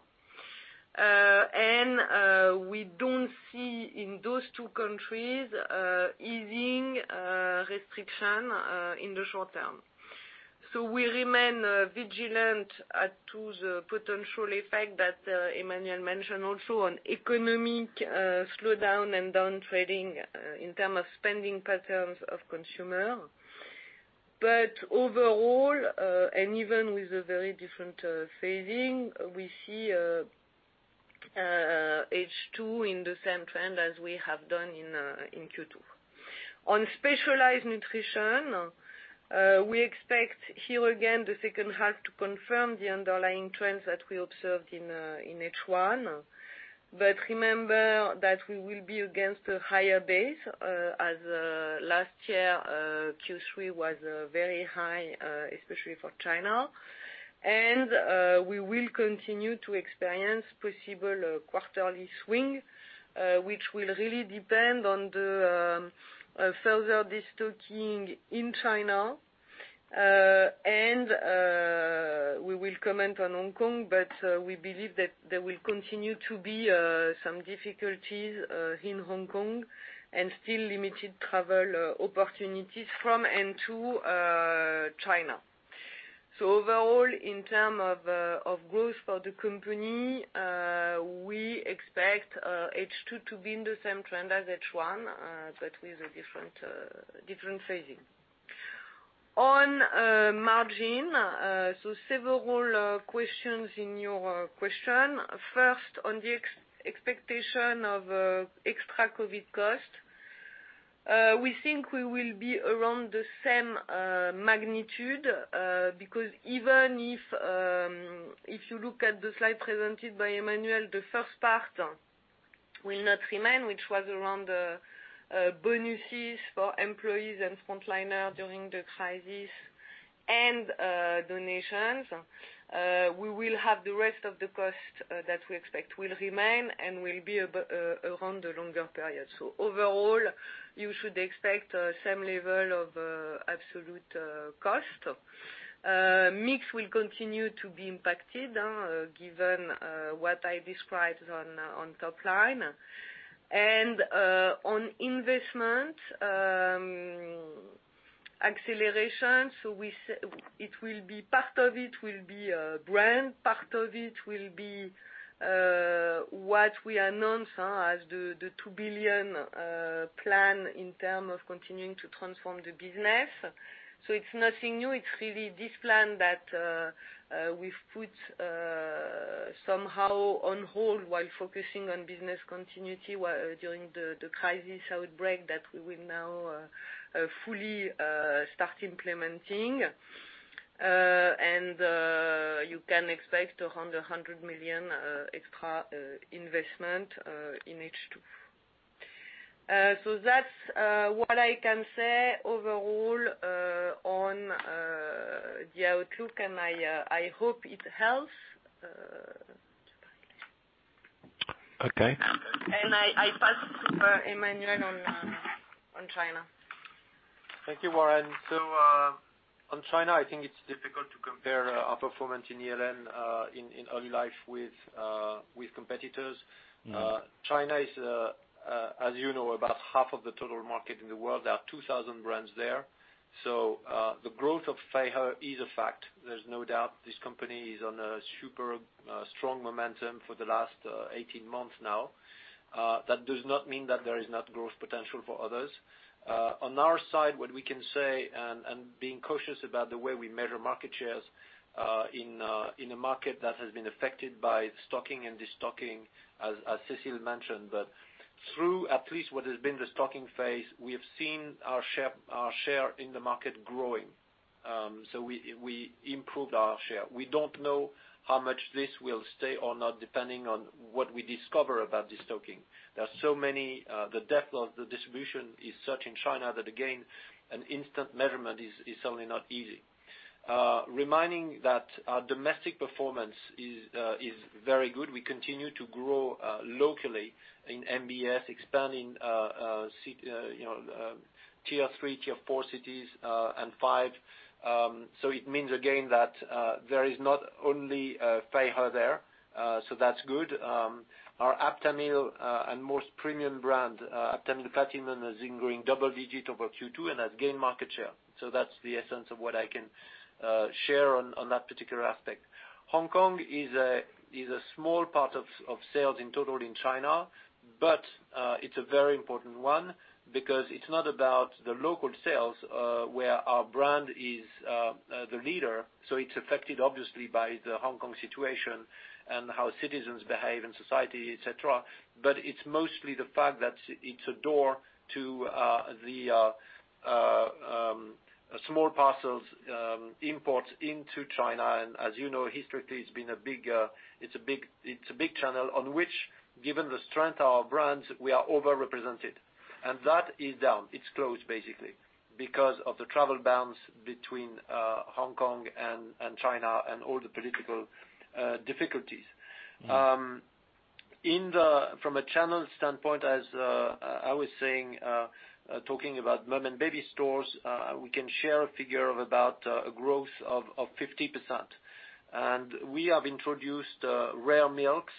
We don't see, in those two countries, easing restriction in the short term. We remain vigilant to the potential effect that Emmanuel mentioned also on economic slowdown and downtrading in term of spending patterns of consumer. Overall, and even with a very different phasing, we see H2 in the same trend as we have done in Q2. On Specialized Nutrition, we expect here again the second half to confirm the underlying trends that we observed in H1. Remember that we will be against a higher base as last year, Q3 was very high, especially for China. We will continue to experience possible quarterly swing, which will really depend on the further de-stocking in China. We will comment on Hong Kong, but we believe that there will continue to be some difficulties in Hong Kong, and still limited travel opportunities from and to China. Overall, in term of growth for the company, we expect H2 to be in the same trend as H1, but with a different phasing. On margin, several questions in your question. First, on the expectation of extra COVID cost, we think we will be around the same magnitude, because even if you look at the slide presented by Emmanuel, the first part will not remain, which was around the bonuses for employees and frontliner during the crisis, and donations. We will have the rest of the cost that we expect will remain and will be around a longer period. Overall, you should expect same level of absolute cost. Mix will continue to be impacted, given what I described on top line. On investment acceleration, part of it will be brand, part of it will be what we announced as the 2 billion plan in term of continuing to transform the business. It's nothing new. It's really this plan that we've put somehow on hold while focusing on business continuity during the crisis outbreak that we will now fully start implementing. You can expect around 100 million extra investment in H2. That's what I can say overall on the outlook, and I hope it helps. Okay. I pass over Emmanuel on China. Thank you, Warren. On China, I think it's difficult to compare our performance in ELN in Early Life with competitors. China is, as you know, about half of the total market in the world. There are 2,000 brands there. The growth of Feihe is a fact. There's no doubt this company is on a super strong momentum for the last 18 months now. That does not mean that there is not growth potential for others. On our side, what we can say, and being cautious about the way we measure market shares in a market that has been affected by stocking and de-stocking, as Cécile mentioned. Through at least what has been the stocking phase, we have seen our share in the market growing. We improved our share. We don't know how much this will stay or not, depending on what we discover about de-stocking. The depth of the distribution is such in China that, again, an instant measurement is certainly not easy. Reminding that our domestic performance is very good. We continue to grow locally in MBS, expanding tier 3, tier 4 cities, and 5. It means, again, that there is not only Feihe there, so that's good. Our Aptamil and most premium brand, Aptamil Platinum, is growing double-digit over Q2 and has gained market share. That's the essence of what I can share on that particular aspect. Hong Kong is a small part of sales in total in China, but it's a very important one because it's not about the local sales, where our brand is the leader. It's affected, obviously, by the Hong Kong situation and how citizens behave in society, et cetera. It's mostly the fact that it's a door to the small parcels imports into China. As you know, historically it's been a big channel on which, given the strength of our brands, we are over-represented. That is down. It's closed, basically, because of the travel bans between Hong Kong and China and all the political difficulties. From a channel standpoint, as I was saying, talking about mom and baby stores, we can share a figure of about a growth of 50%. We have introduced rare milks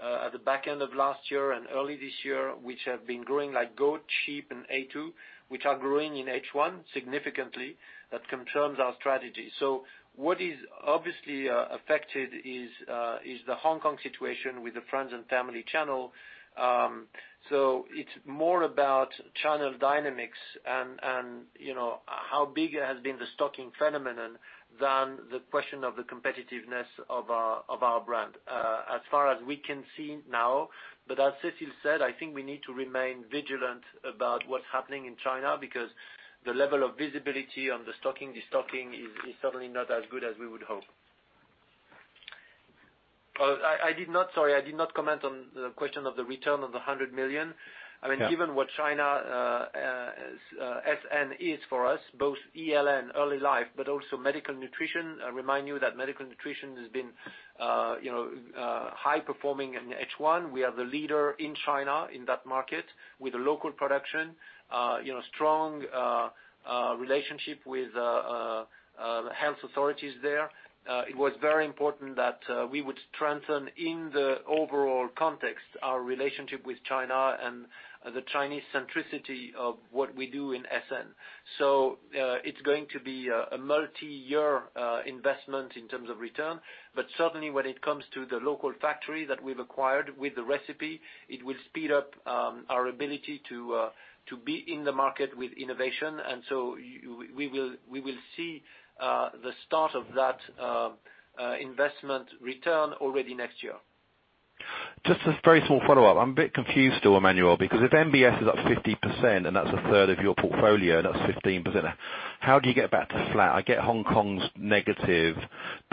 at the back end of last year and early this year, which have been growing like goat, sheep, and A2, which are growing in H1 significantly. That confirms our strategy. What is obviously affected is the Hong Kong situation with the friends and family channel. It's more about channel dynamics and how big has been the stocking phenomenon than the question of the competitiveness of our brand. As far as we can see now, but as Cécile said, I think we need to remain vigilant about what's happening in China because the level of visibility on the stocking, de-stocking is certainly not as good as we would hope. Sorry, I did not comment on the question of the return of the 100 million. Yeah. I mean, given what China SN is for us, both ELN, Early Life, but also medical nutrition. I remind you that medical nutrition has been high-performing in H1. We are the leader in China in that market with a local production, strong relationship with health authorities there. It was very important that we would strengthen, in the overall context, our relationship with China and the Chinese centricity of what we do in SN. It's going to be a multi-year investment in terms of return. Certainly when it comes to the local factory that we've acquired with the recipe, it will speed up our ability to be in the market with innovation. We will see the start of that investment return already next year. Just a very small follow-up. I'm a bit confused still, Emmanuel, because if MBS is up 50% and that's a third of your portfolio and that's 15%, how do you get back to flat? I get Hong Kong's negative,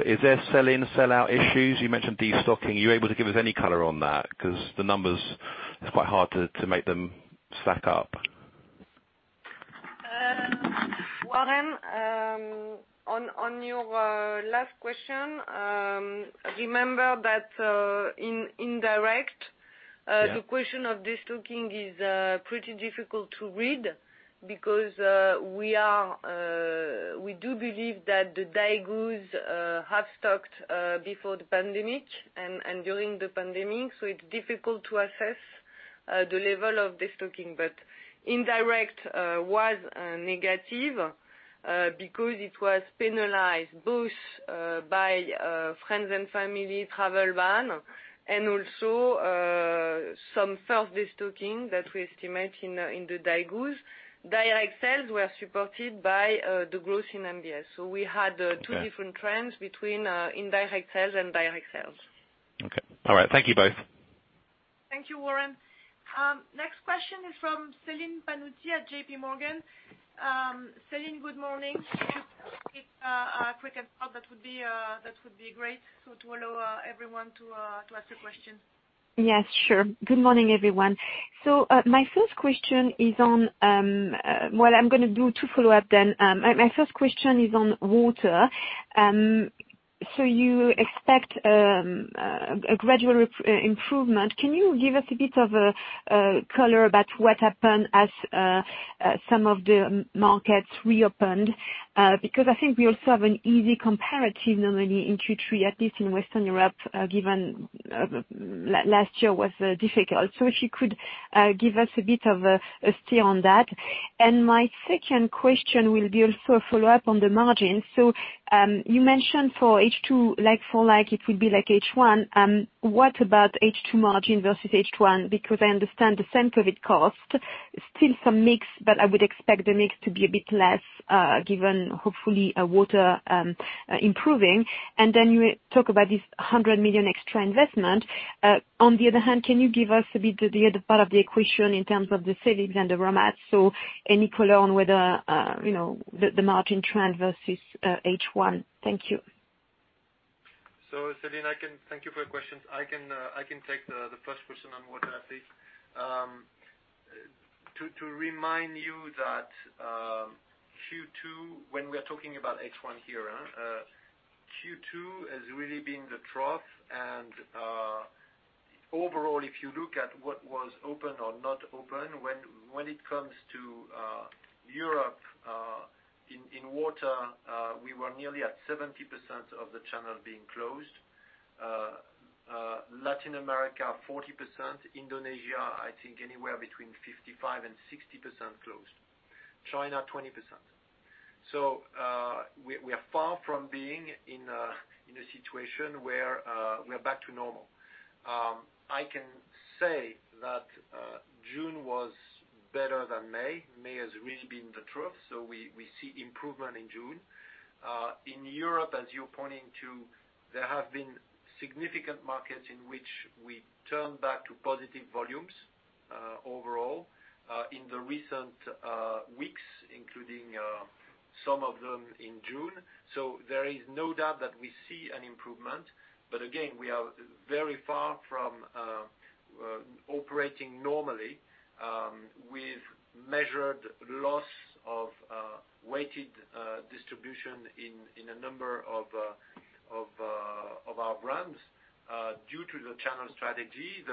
is there sell in, sell out issues? You mentioned de-stocking. Are you able to give us any color on that? The numbers, it's quite hard to make them stack up. Warren, on your last question, remember that in indirect-. Yeah the question of de-stocking is pretty difficult to read because we do believe that the Daigou have stocked before the pandemic and during the pandemic, so it's difficult to assess the level of de-stocking. Indirect was negative because it was penalized both by friends and family travel ban and also some self de-stocking that we estimate in the Daigou. Direct sales were supported by the growth in MBS. We had two different- Okay trends between indirect sales and direct sales. Okay. All right. Thank you both. Thank you, Warren. Next question is from Celine Pannuti at JPMorgan. Celine, good morning. Quick and hard, that would be great. To allow everyone to ask a question. Yes, sure. Good morning, everyone. My first question is on, well, I am going to do two follow up then. My first question is on water. You expect a gradual improvement. Can you give us a bit of color about what happened as some of the markets reopened? I think we also have an easy comparative, normally in Q3, at least in Western Europe, given last year was difficult. If you could give us a bit of a steer on that. My second question will be also a follow-up on the margin. You mentioned for H2, like for like, it will be like H1. What about H2 margin versus H1? I understand the same COVID cost, still some mix, but I would expect the mix to be a bit less, given hopefully water improving. You talk about this 100 million extra investment. On the other hand, can you give us a bit of the other part of the equation in terms of the savings and the raw mats? Any color on whether the margin trend versus H1. Thank you. Celine, I can thank you for your questions. I can take the first question on water, I think. To remind you that Q2, when we are talking about H1 here. Q2 has really been the trough, and overall, if you look at what was open or not open when it comes to Europe, in water, we were nearly at 70% of the channel being closed. Latin America, 40%. Indonesia, I think anywhere between 55% and 60% closed. China, 20%. We are far from being in a situation where we are back to normal. I can say that June was better than May. May has really been the trough, so we see improvement in June. In Europe, as you're pointing to, there have been significant markets in which we turn back to positive volumes overall, in the recent weeks, including some of them in June. There is no doubt that we see an improvement. Again, we are very far from operating normally, with measured loss of weighted distribution in a number of our brands due to the channel strategy,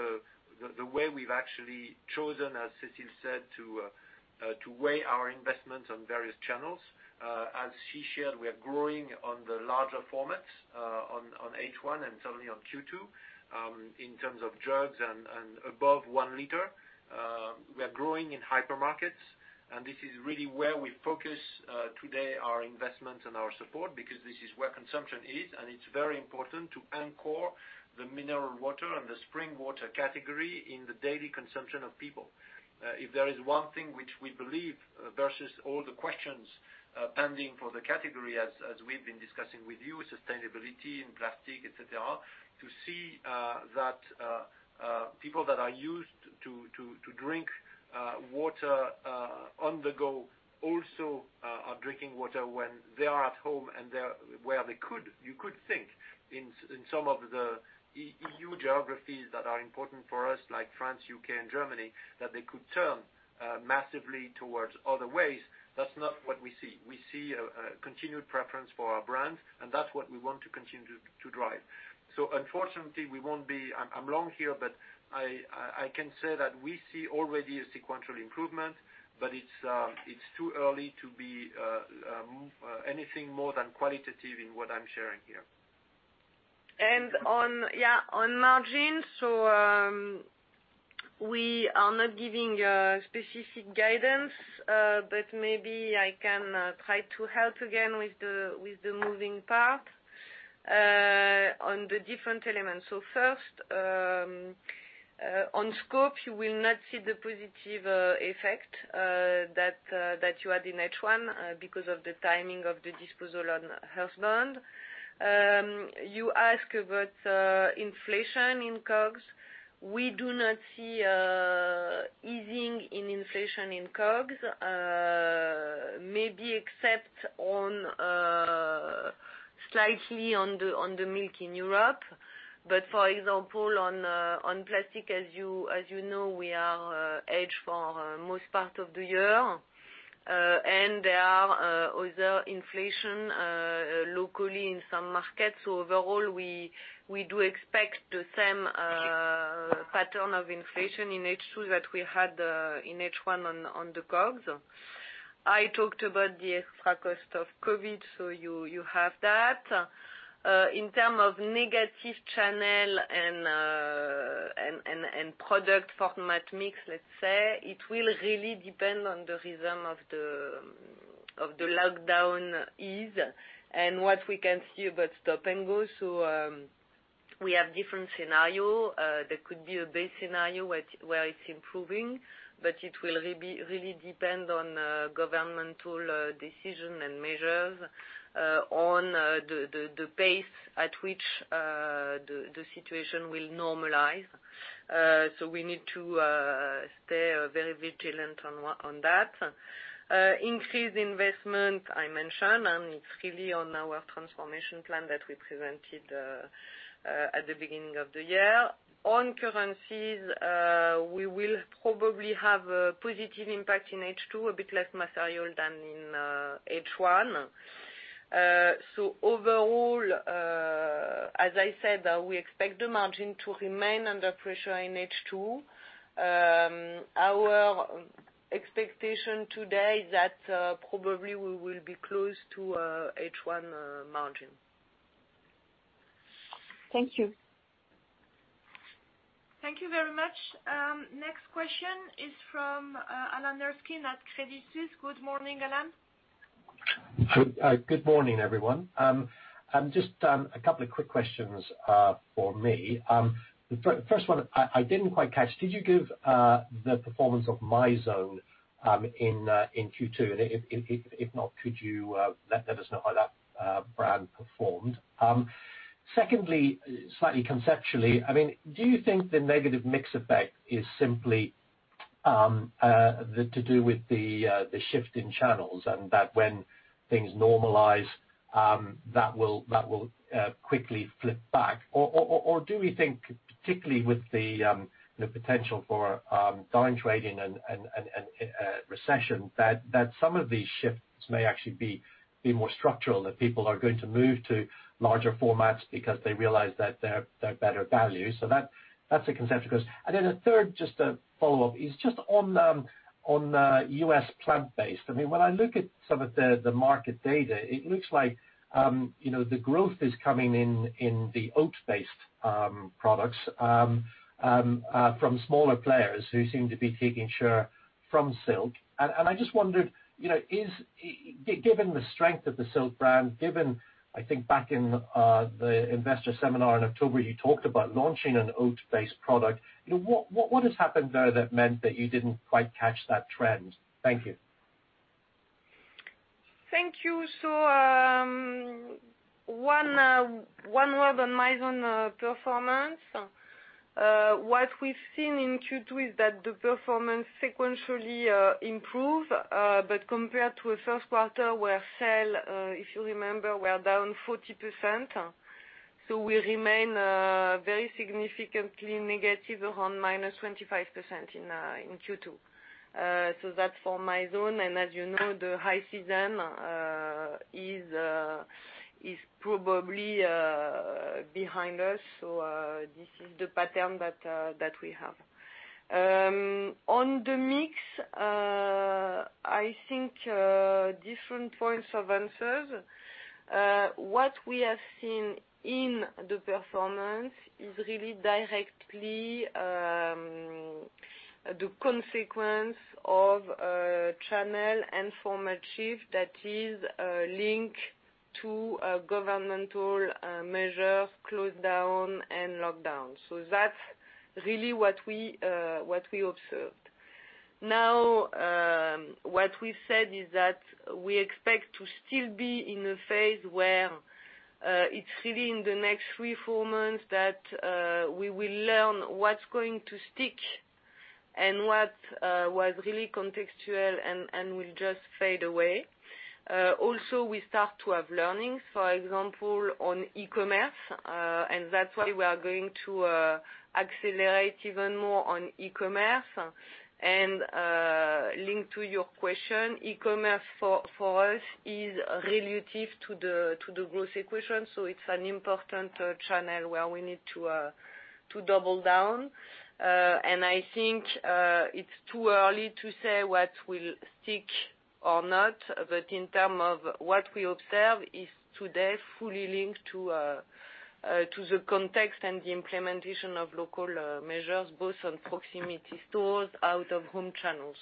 the way we've actually chosen, as Cécile said, to weigh our investments on various channels. As she shared, we are growing on the larger formats, on H1 and certainly on Q2. In terms of jugs and above 1 L, we are growing in hypermarkets, and this is really where we focus today, our investments and our support, because this is where consumption is, and it's very important to anchor the mineral water and the spring water category in the daily consumption of people. If there is one thing which we believe versus all the questions pending for the category as we've been discussing with you, sustainability and plastic, et cetera, to see that people that are used to drink water on the go also are drinking water when they are at home and where you could think in some of the EU geographies that are important for us, like France, U.K., and Germany, that they could turn massively towards other ways. That's not what we see. We see a continued preference for our brands, and that's what we want to continue to drive. Unfortunately, I'm long here, but I can say that we see already a sequential improvement, but it's too early to be anything more than qualitative in what I'm sharing here. On margin. We are not giving specific guidance, but maybe I can try to help again with the moving part on the different elements. First, on scope, you will not see the positive effect that you had in H1 because of the timing of the disposal on Earthbound Farm. You ask about inflation in COGS. We do not see easing in inflation in COGS, maybe except slightly on the milk in Europe. For example, on plastic, as you know, we are hedged for most part of the year. There are other inflation, locally in some markets. Overall, we do expect the same pattern of inflation in H2 that we had in H1 on the COGS. I talked about the extra cost of COVID, you have that. In terms of negative channel and product format mix, let's say, it will really depend on the rhythm of the lockdown ease and what we can see about stop and go. We have different scenarios. There could be a base scenario where it's improving, but it will really depend on governmental decision and measures, on the pace at which the situation will normalize, so we need to stay very vigilant on that. Increased investment, I mentioned, and it's really on our transformation plan that we presented at the beginning of the year. On currencies, we will probably have a positive impact in H2, a bit less material than in H1. Overall, as I said, we expect the margin to remain under pressure in H2. Our expectation today is that probably we will be close to H1 margin. Thank you. Thank you very much. Next question is from Alan Erskine at Credit Suisse. Good morning, Alan. Good morning, everyone. Just a couple of quick questions for me. The first one I didn't quite catch, did you give the performance of Mizone in Q2? If not, could you let us know how that brand performed? Secondly, slightly conceptually, do you think the negative mix effect is simply to do with the shift in channels, and that when things normalize, that will quickly flip back? Do we think, particularly with the potential for down trading and recession, that some of these shifts may actually be more structural, that people are going to move to larger formats because they realize that they're better value? That's a conceptual. Then a third, just a follow-up, is just on the U.S. plant-based. When I look at some of the market data, it looks like the growth is coming in the oat-based products from smaller players who seem to be taking share from Silk. I just wondered, given the strength of the Silk brand, given, I think back in the investor seminar in October, you talked about launching an oat-based product. What has happened there that meant that you didn't quite catch that trend? Thank you. Thank you. One word on Mizone performance. What we've seen in Q2 is that the performance sequentially improved, but compared to a first quarter where sales, if you remember, were down 40%. We remain very significantly negative around minus 25% in Q2. That's for Mizone, and as you know, the high season is probably behind us, so this is the pattern that we have. On the mix, I think different points of answers. What we have seen in the performance is really directly the consequence of channel and format shift that is linked to governmental measures, closedown, and lockdown. That's really what we observed. Now, what we said is that we expect to still be in a phase where it's really in the next three, four months that we will learn what's going to stick and what was really contextual and will just fade away. We start to have learnings, for example, on e-commerce, and that's why we are going to accelerate even more on e-commerce. Linked to your question, e-commerce for us is relative to the growth equation, so it's an important channel where we need to double down. I think it's too early to say what will stick or not, but in terms of what we observe is today fully linked to the context and the implementation of local measures, both on proximity stores, out-of-home channels.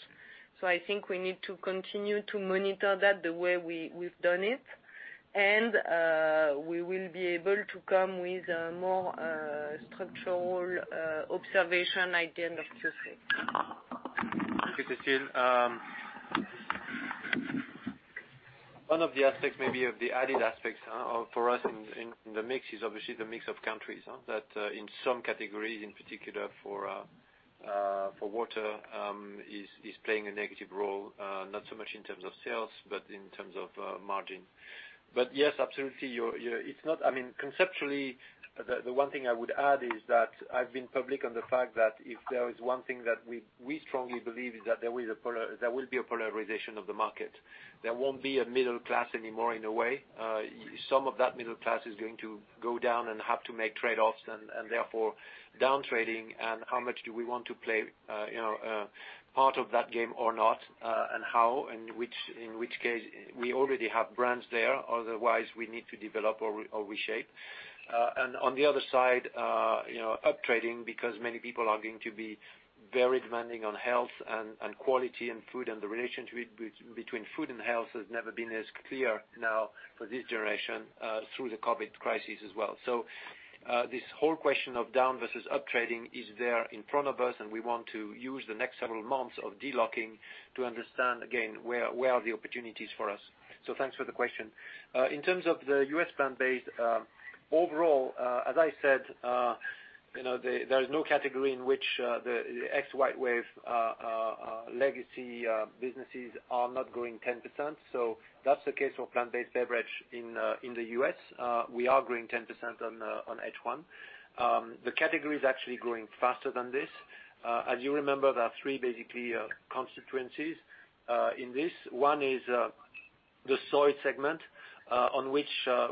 I think we need to continue to monitor that the way we've done it. We will be able to come with a more structural observation at the end of Q3. Thank you, Cécile. One of the aspects, maybe of the added aspects for us in the mix is obviously the mix of countries that in some categories, in particular for water, is playing a negative role. Not so much in terms of sales, but in terms of margin. Yes, absolutely. Conceptually, the one thing I would add is that I've been public on the fact that if there is one thing that we strongly believe is that there will be a polarization of the market. There won't be a middle class anymore, in a way. Some of that middle class is going to go down and have to make trade-offs, and therefore downtrading, and how much do we want to play part of that game or not, and how, and in which case, we already have brands there, otherwise we need to develop or reshape. On the other side, up-trading because many people are going to be very demanding on health and quality in food, and the relationship between food and health has never been as clear now for this generation, through the COVID crisis as well. This whole question of down versus up-trading is there in front of us, and we want to use the next several months of delocking to understand, again, where are the opportunities for us. Thanks for the question. In terms of the U.S. plant-based, overall, as I said, there is no category in which the ex-WhiteWave legacy businesses are not growing 10%, so that's the case for plant-based beverage in the U.S. We are growing 10% on H1. The category is actually growing faster than this. As you remember, there are three basically consequences in this. One is the soy segment,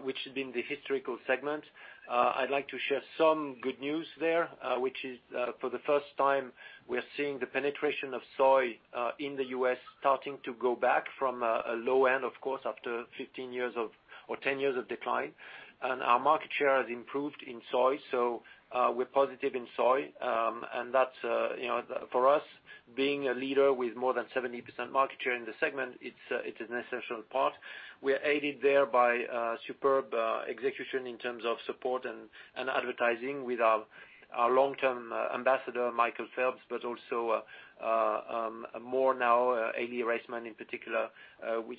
which has been the historical segment. I'd like to share some good news there, which is for the first time, we are seeing the penetration of soy in the U.S. starting to go back from a low end, of course, after 15 years or 10 years of decline. Our market share has improved in soy. We're positive in soy. That, for us, being a leader with more than 70% market share in the segment, it's an essential part. We are aided there by superb execution in terms of support and advertising with our long-term ambassador, Michael Phelps, but also more now, Aly Raisman in particular, with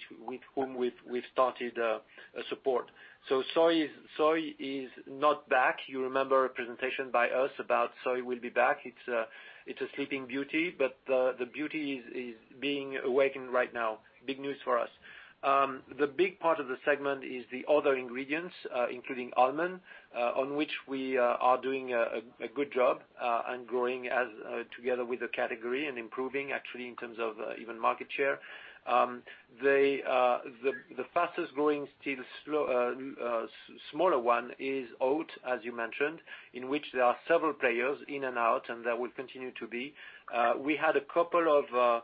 whom we've started support. Soy is not back. You remember a presentation by us about soy will be back. It's a sleeping beauty. The beauty is being awakened right now. Big news for us. The big part of the segment is the other ingredients, including almond, on which we are doing a good job and growing together with the category and improving actually in terms of even market share. The fastest-growing, still smaller one, is oat, as you mentioned, in which there are several players in and out, and there will continue to be. We had a couple of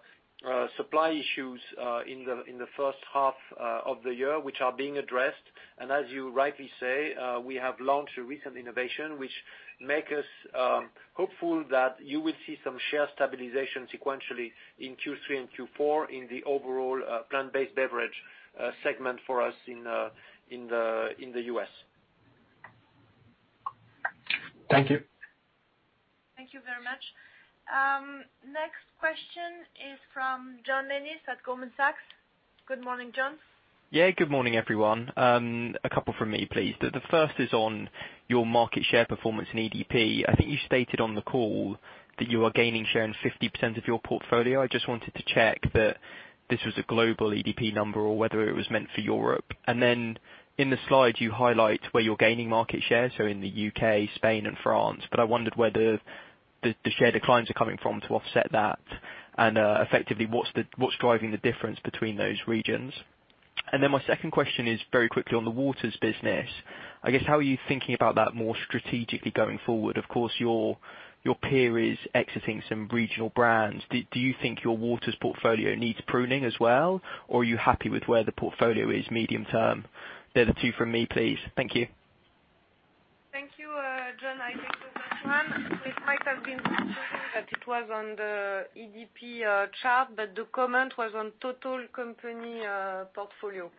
supply issues in the first half of the year, which are being addressed. As you rightly say, we have launched a recent innovation, which make us hopeful that you will see some share stabilization sequentially in Q3 and Q4 in the overall plant-based beverage segment for us in the U.S. Thank you. Thank you very much. Next question is from John Menzies at Goldman Sachs. Good morning, John. Yeah. Good morning, everyone. A couple from me, please. The first is on your market share performance in EDP. I think you stated on the call that you are gaining share in 50% of your portfolio. I just wanted to check that this was a global EDP number or whether it was meant for Europe. In the slide, you highlight where you're gaining market share, so in the U.K., Spain and France, but I wondered where the share declines are coming from to offset that, and effectively, what's driving the difference between those regions? My second question is very quickly on the waters business, I guess, how are you thinking about that more strategically going forward? Of course, your peer is exiting some regional brands. Do you think your waters portfolio needs pruning as well, or are you happy with where the portfolio is medium-term? They're the two from me, please. Thank you. Thank you, John. I take the first one. It might have been confusing that it was on the EDP chart, but the comment was on total company portfolio.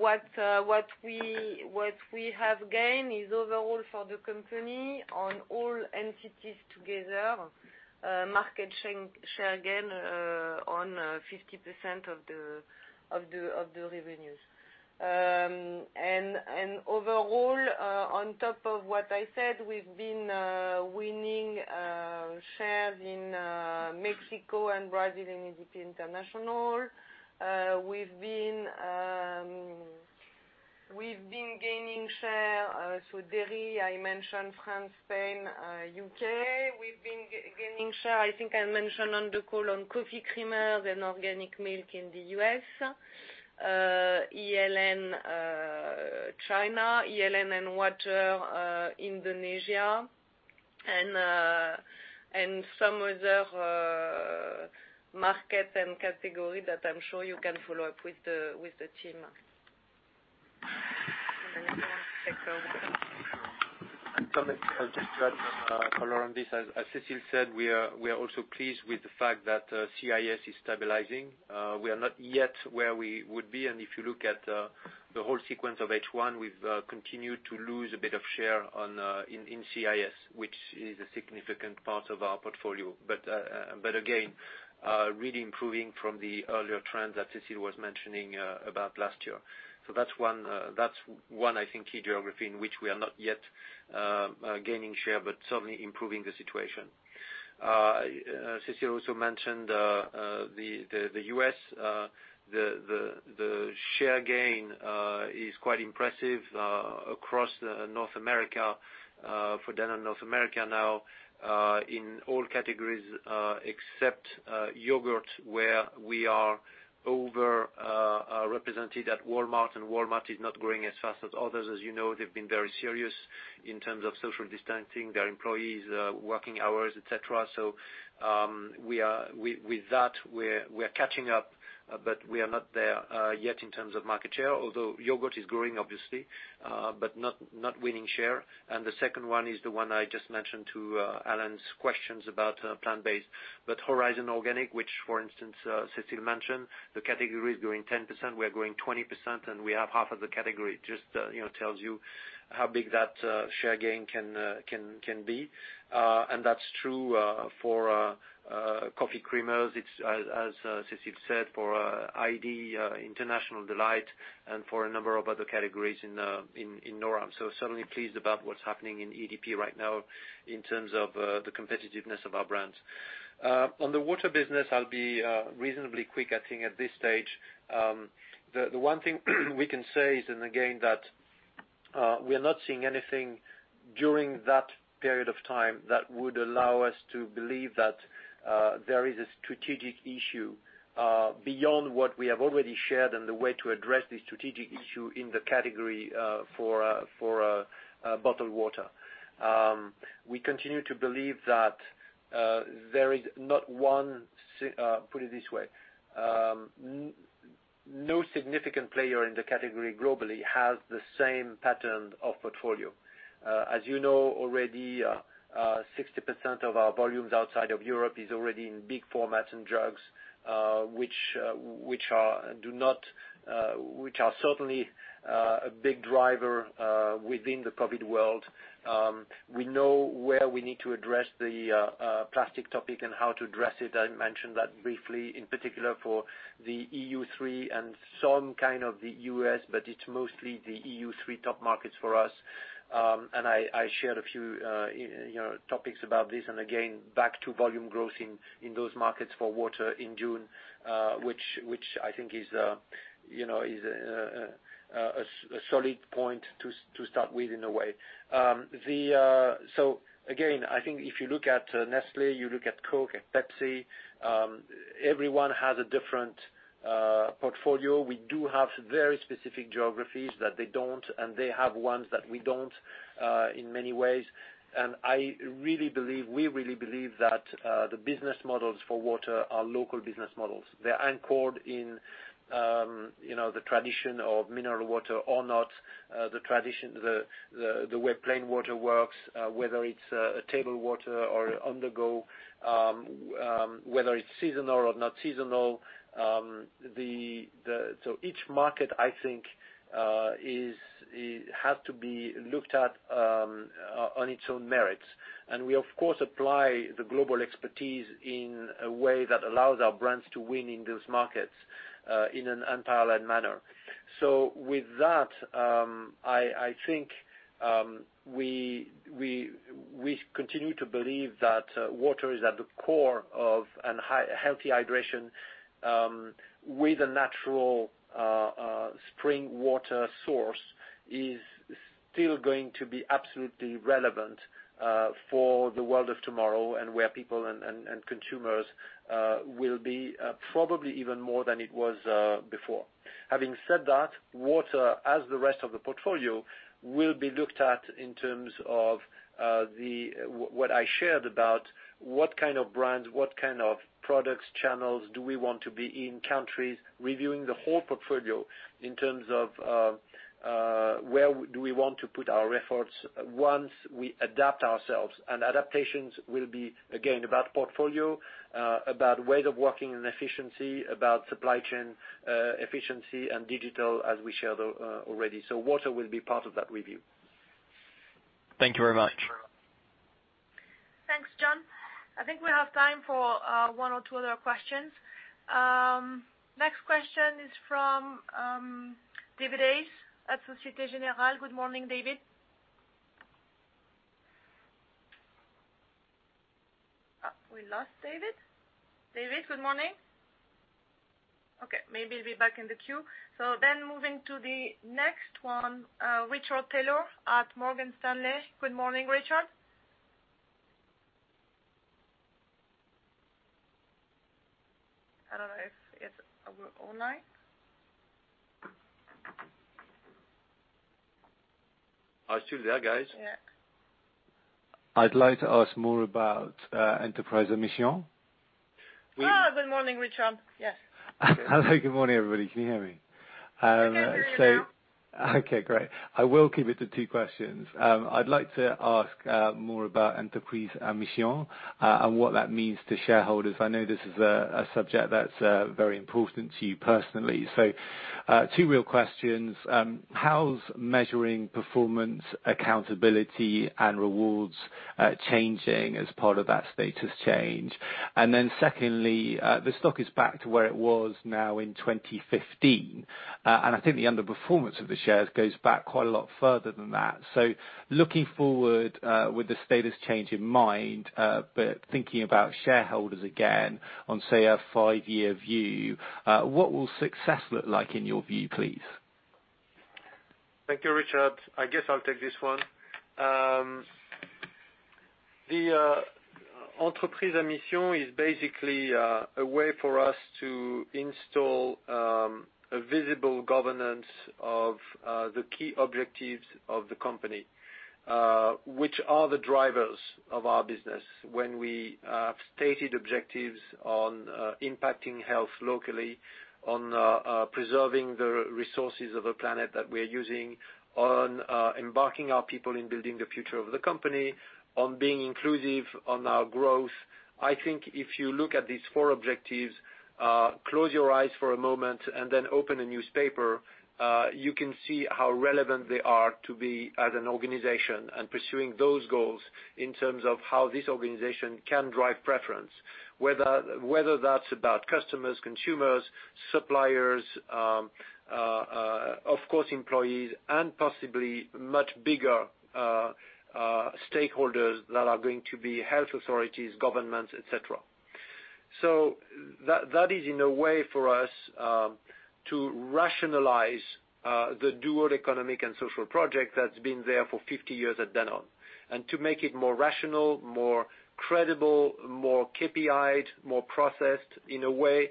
What we have gained is overall for the company on all entities together, market share gain on 50% of the revenues. Overall, on top of what I said, we've been winning shares in Mexico and Brazil in EDP International. We've been gaining share, so dairy, I mentioned France, Spain, U.K. We've been gaining share, I think I mentioned on the call on coffee creamers and organic milk in the U.S., ELN China, ELN and water Indonesia, and some other market and category that I'm sure you can follow up with the team. Emmanuel, do you want to take over? A comment just to follow on this. As Cécile said, we are also pleased with the fact that CIS is stabilizing. We are not yet where we would be, and if you look at the whole sequence of H1, we've continued to lose a bit of share in CIS, which is a significant part of our portfolio. Again, really improving from the earlier trends that Cécile was mentioning about last year. That's one, I think, key geography in which we are not yet gaining share, but certainly improving the situation. Cécile also mentioned the U.S., the share gain is quite impressive across North America for Danone North America now in all categories except yogurt, where we are over-represented at Walmart, and Walmart is not growing as fast as others. As you know, they've been very serious in terms of social distancing their employees, working hours, et cetera. With that, we're catching up, but we are not there yet in terms of market share, although yogurt is growing obviously, but not winning share. The second one is the one I just mentioned to Alan's questions about plant-based, but Horizon Organic, which for instance, Cécile mentioned, the category is growing 10%, we are growing 20%, and we have half of the category. Just tells you how big that share gain can be, and that's true for coffee creamers, as Cécile said, for ID, International Delight, and for a number of other categories in noram. Certainly pleased about what's happening in EDP right now in terms of the competitiveness of our brands. On the water business, I'll be reasonably quick, I think at this stage. The one thing we can say is, and again, that we are not seeing anything during that period of time that would allow us to believe that there is a strategic issue beyond what we have already shared and the way to address the strategic issue in the category for bottled water. We continue to believe that there is not one. Put it this way. No significant player in the category globally has the same pattern of portfolio. As you know already, 60% of our volumes outside of Europe is already in big formats and jugs which are certainly a big driver within the COVID world. We know where we need to address the plastic topic and how to address it. I mentioned that briefly, in particular for the EU3 and some kind of the U.S., but it's mostly the EU3 top markets for us. I shared a few topics about this, and again, back to volume growth in those markets for water in June, which I think is a solid point to start with, in a way. Again, I think if you look at Nestlé, you look at Coke and Pepsi, everyone has a different portfolio. We do have very specific geographies that they don't, and they have ones that we don't, in many ways. We really believe that the business models for water are local business models. They're anchored in the tradition of mineral water or not, the way plain water works, whether it's table water or on the go, whether it's seasonal or not seasonal. Each market, I think, has to be looked at on its own merits. We of course, apply the global expertise in a way that allows our brands to win in those markets, in an unparalleled manner. With that, I think we continue to believe that water is at the core of healthy hydration with a natural spring water source, is still going to be absolutely relevant for the world of tomorrow and where people and consumers will be probably even more than it was before. Having said that, water, as the rest of the portfolio, will be looked at in terms of what I shared about what kind of brands, what kind of products, channels do we want to be in countries, reviewing the whole portfolio in terms of where do we want to put our efforts once we adapt ourselves. Adaptations will be, again, about portfolio, about way of working and efficiency, about supply chain efficiency and digital as we shared already. Water will be part of that review. Thank you very much. Thanks, John. I think we have time for one or two other questions. Next question is from David Hayes at Société Générale. Good morning, David. We lost David. David, good morning. Okay, maybe he'll be back in the queue. Moving to the next one, Richard Taylor at Morgan Stanley. Good morning, Richard. I don't know if he's online. I'm still there, guys. Yeah. I'd like to ask more about entreprise à mission. Oh, good morning, Richard. Yes. Hello. Good morning, everybody. Can you hear me? We can hear you now. Okay, great. I will keep it to two questions. I'd like to ask more about entreprise à mission and what that means to shareholders. I know this is a subject that's very important to you personally. two real questions. How's measuring performance, accountability, and rewards changing as part of that status change? Secondly, the stock is back to where it was now in 2015. I think the underperformance of the shares goes back quite a lot further than that. Looking forward with the status change in mind, but thinking about shareholders again on, say, a five year view, what will success look like in your view, please? Thank you, Richard. I guess I'll take this one. The entreprise à mission is basically a way for us to install a visible governance of the key objectives of the company, which are the drivers of our business when we have stated objectives on impacting health locally, on preserving the resources of the planet that we are using, on embarking our people in building the future of the company, on being inclusive on our growth. I think if you look at these four objectives, close your eyes for a moment and then open a newspaper, you can see how relevant they are to be as an organization and pursuing those goals in terms of how this organization can drive preference. Whether that's about customers, consumers, suppliers, of course, employees, and possibly much bigger stakeholders that are going to be health authorities, governments, et cetera. That is in a way for us to rationalize the dual economic and social project that's been there for 50 years at Danone. To make it more rational, more credible, more KPI'd, more processed in a way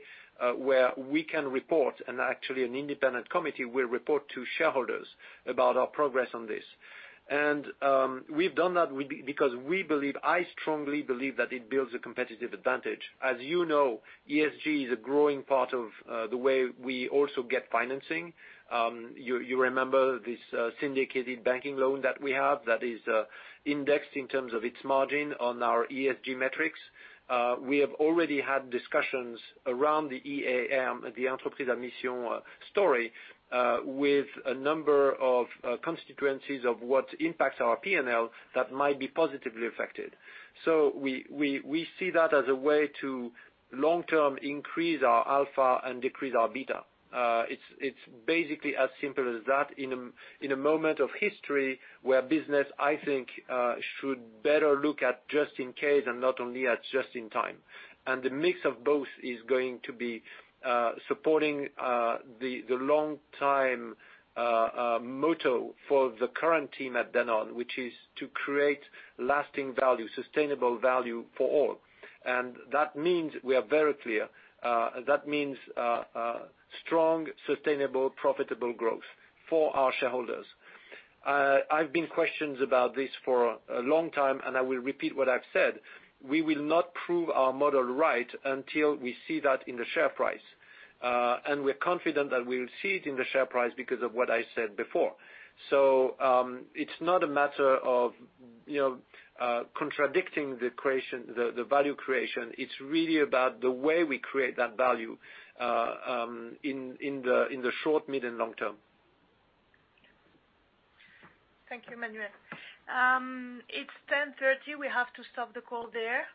where we can report, and actually an independent committee will report to shareholders about our progress on this. We've done that because we believe, I strongly believe that it builds a competitive advantage. As you know, ESG is a growing part of the way we also get financing. You remember this syndicated banking loan that we have that is indexed in terms of its margin on our ESG metrics. We have already had discussions around the EAM, the entreprise à mission story, with a number of constituencies of what impacts our P&L that might be positively affected. We see that as a way to long time increase our alpha and decrease our beta. It's basically as simple as that in a moment of history where business, I think, should better look at just in case and not only at just in time. The mix of both is going to be supporting the long time motto for the current team at Danone, which is to create lasting value, sustainable value for all. That means we are very clear. That means strong, sustainable, profitable growth for our shareholders. I've been questioned about this for a long time, and I will repeat what I've said. We will not prove our model right until we see that in the share price. We're confident that we'll see it in the share price because of what I said before. It's not a matter of contradicting the value creation. It's really about the way we create that value in the short, mid, and long term. Thank you, Emmanuel. It's 10:30. We have to stop the call there.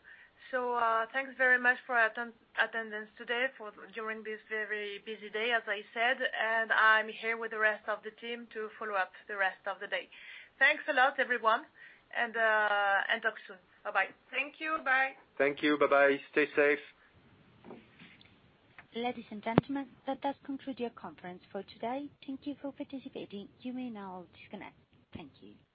Thanks very much for attendance today during this very busy day, as I said, and I'm here with the rest of the team to follow up the rest of the day. Thanks a lot, everyone, and talk soon. Bye-bye. Thank you. Bye. Thank you. Bye-bye. Stay safe. Ladies and gentlemen, that does conclude your conference for today. Thank you for participating. You may now disconnect. Thank you.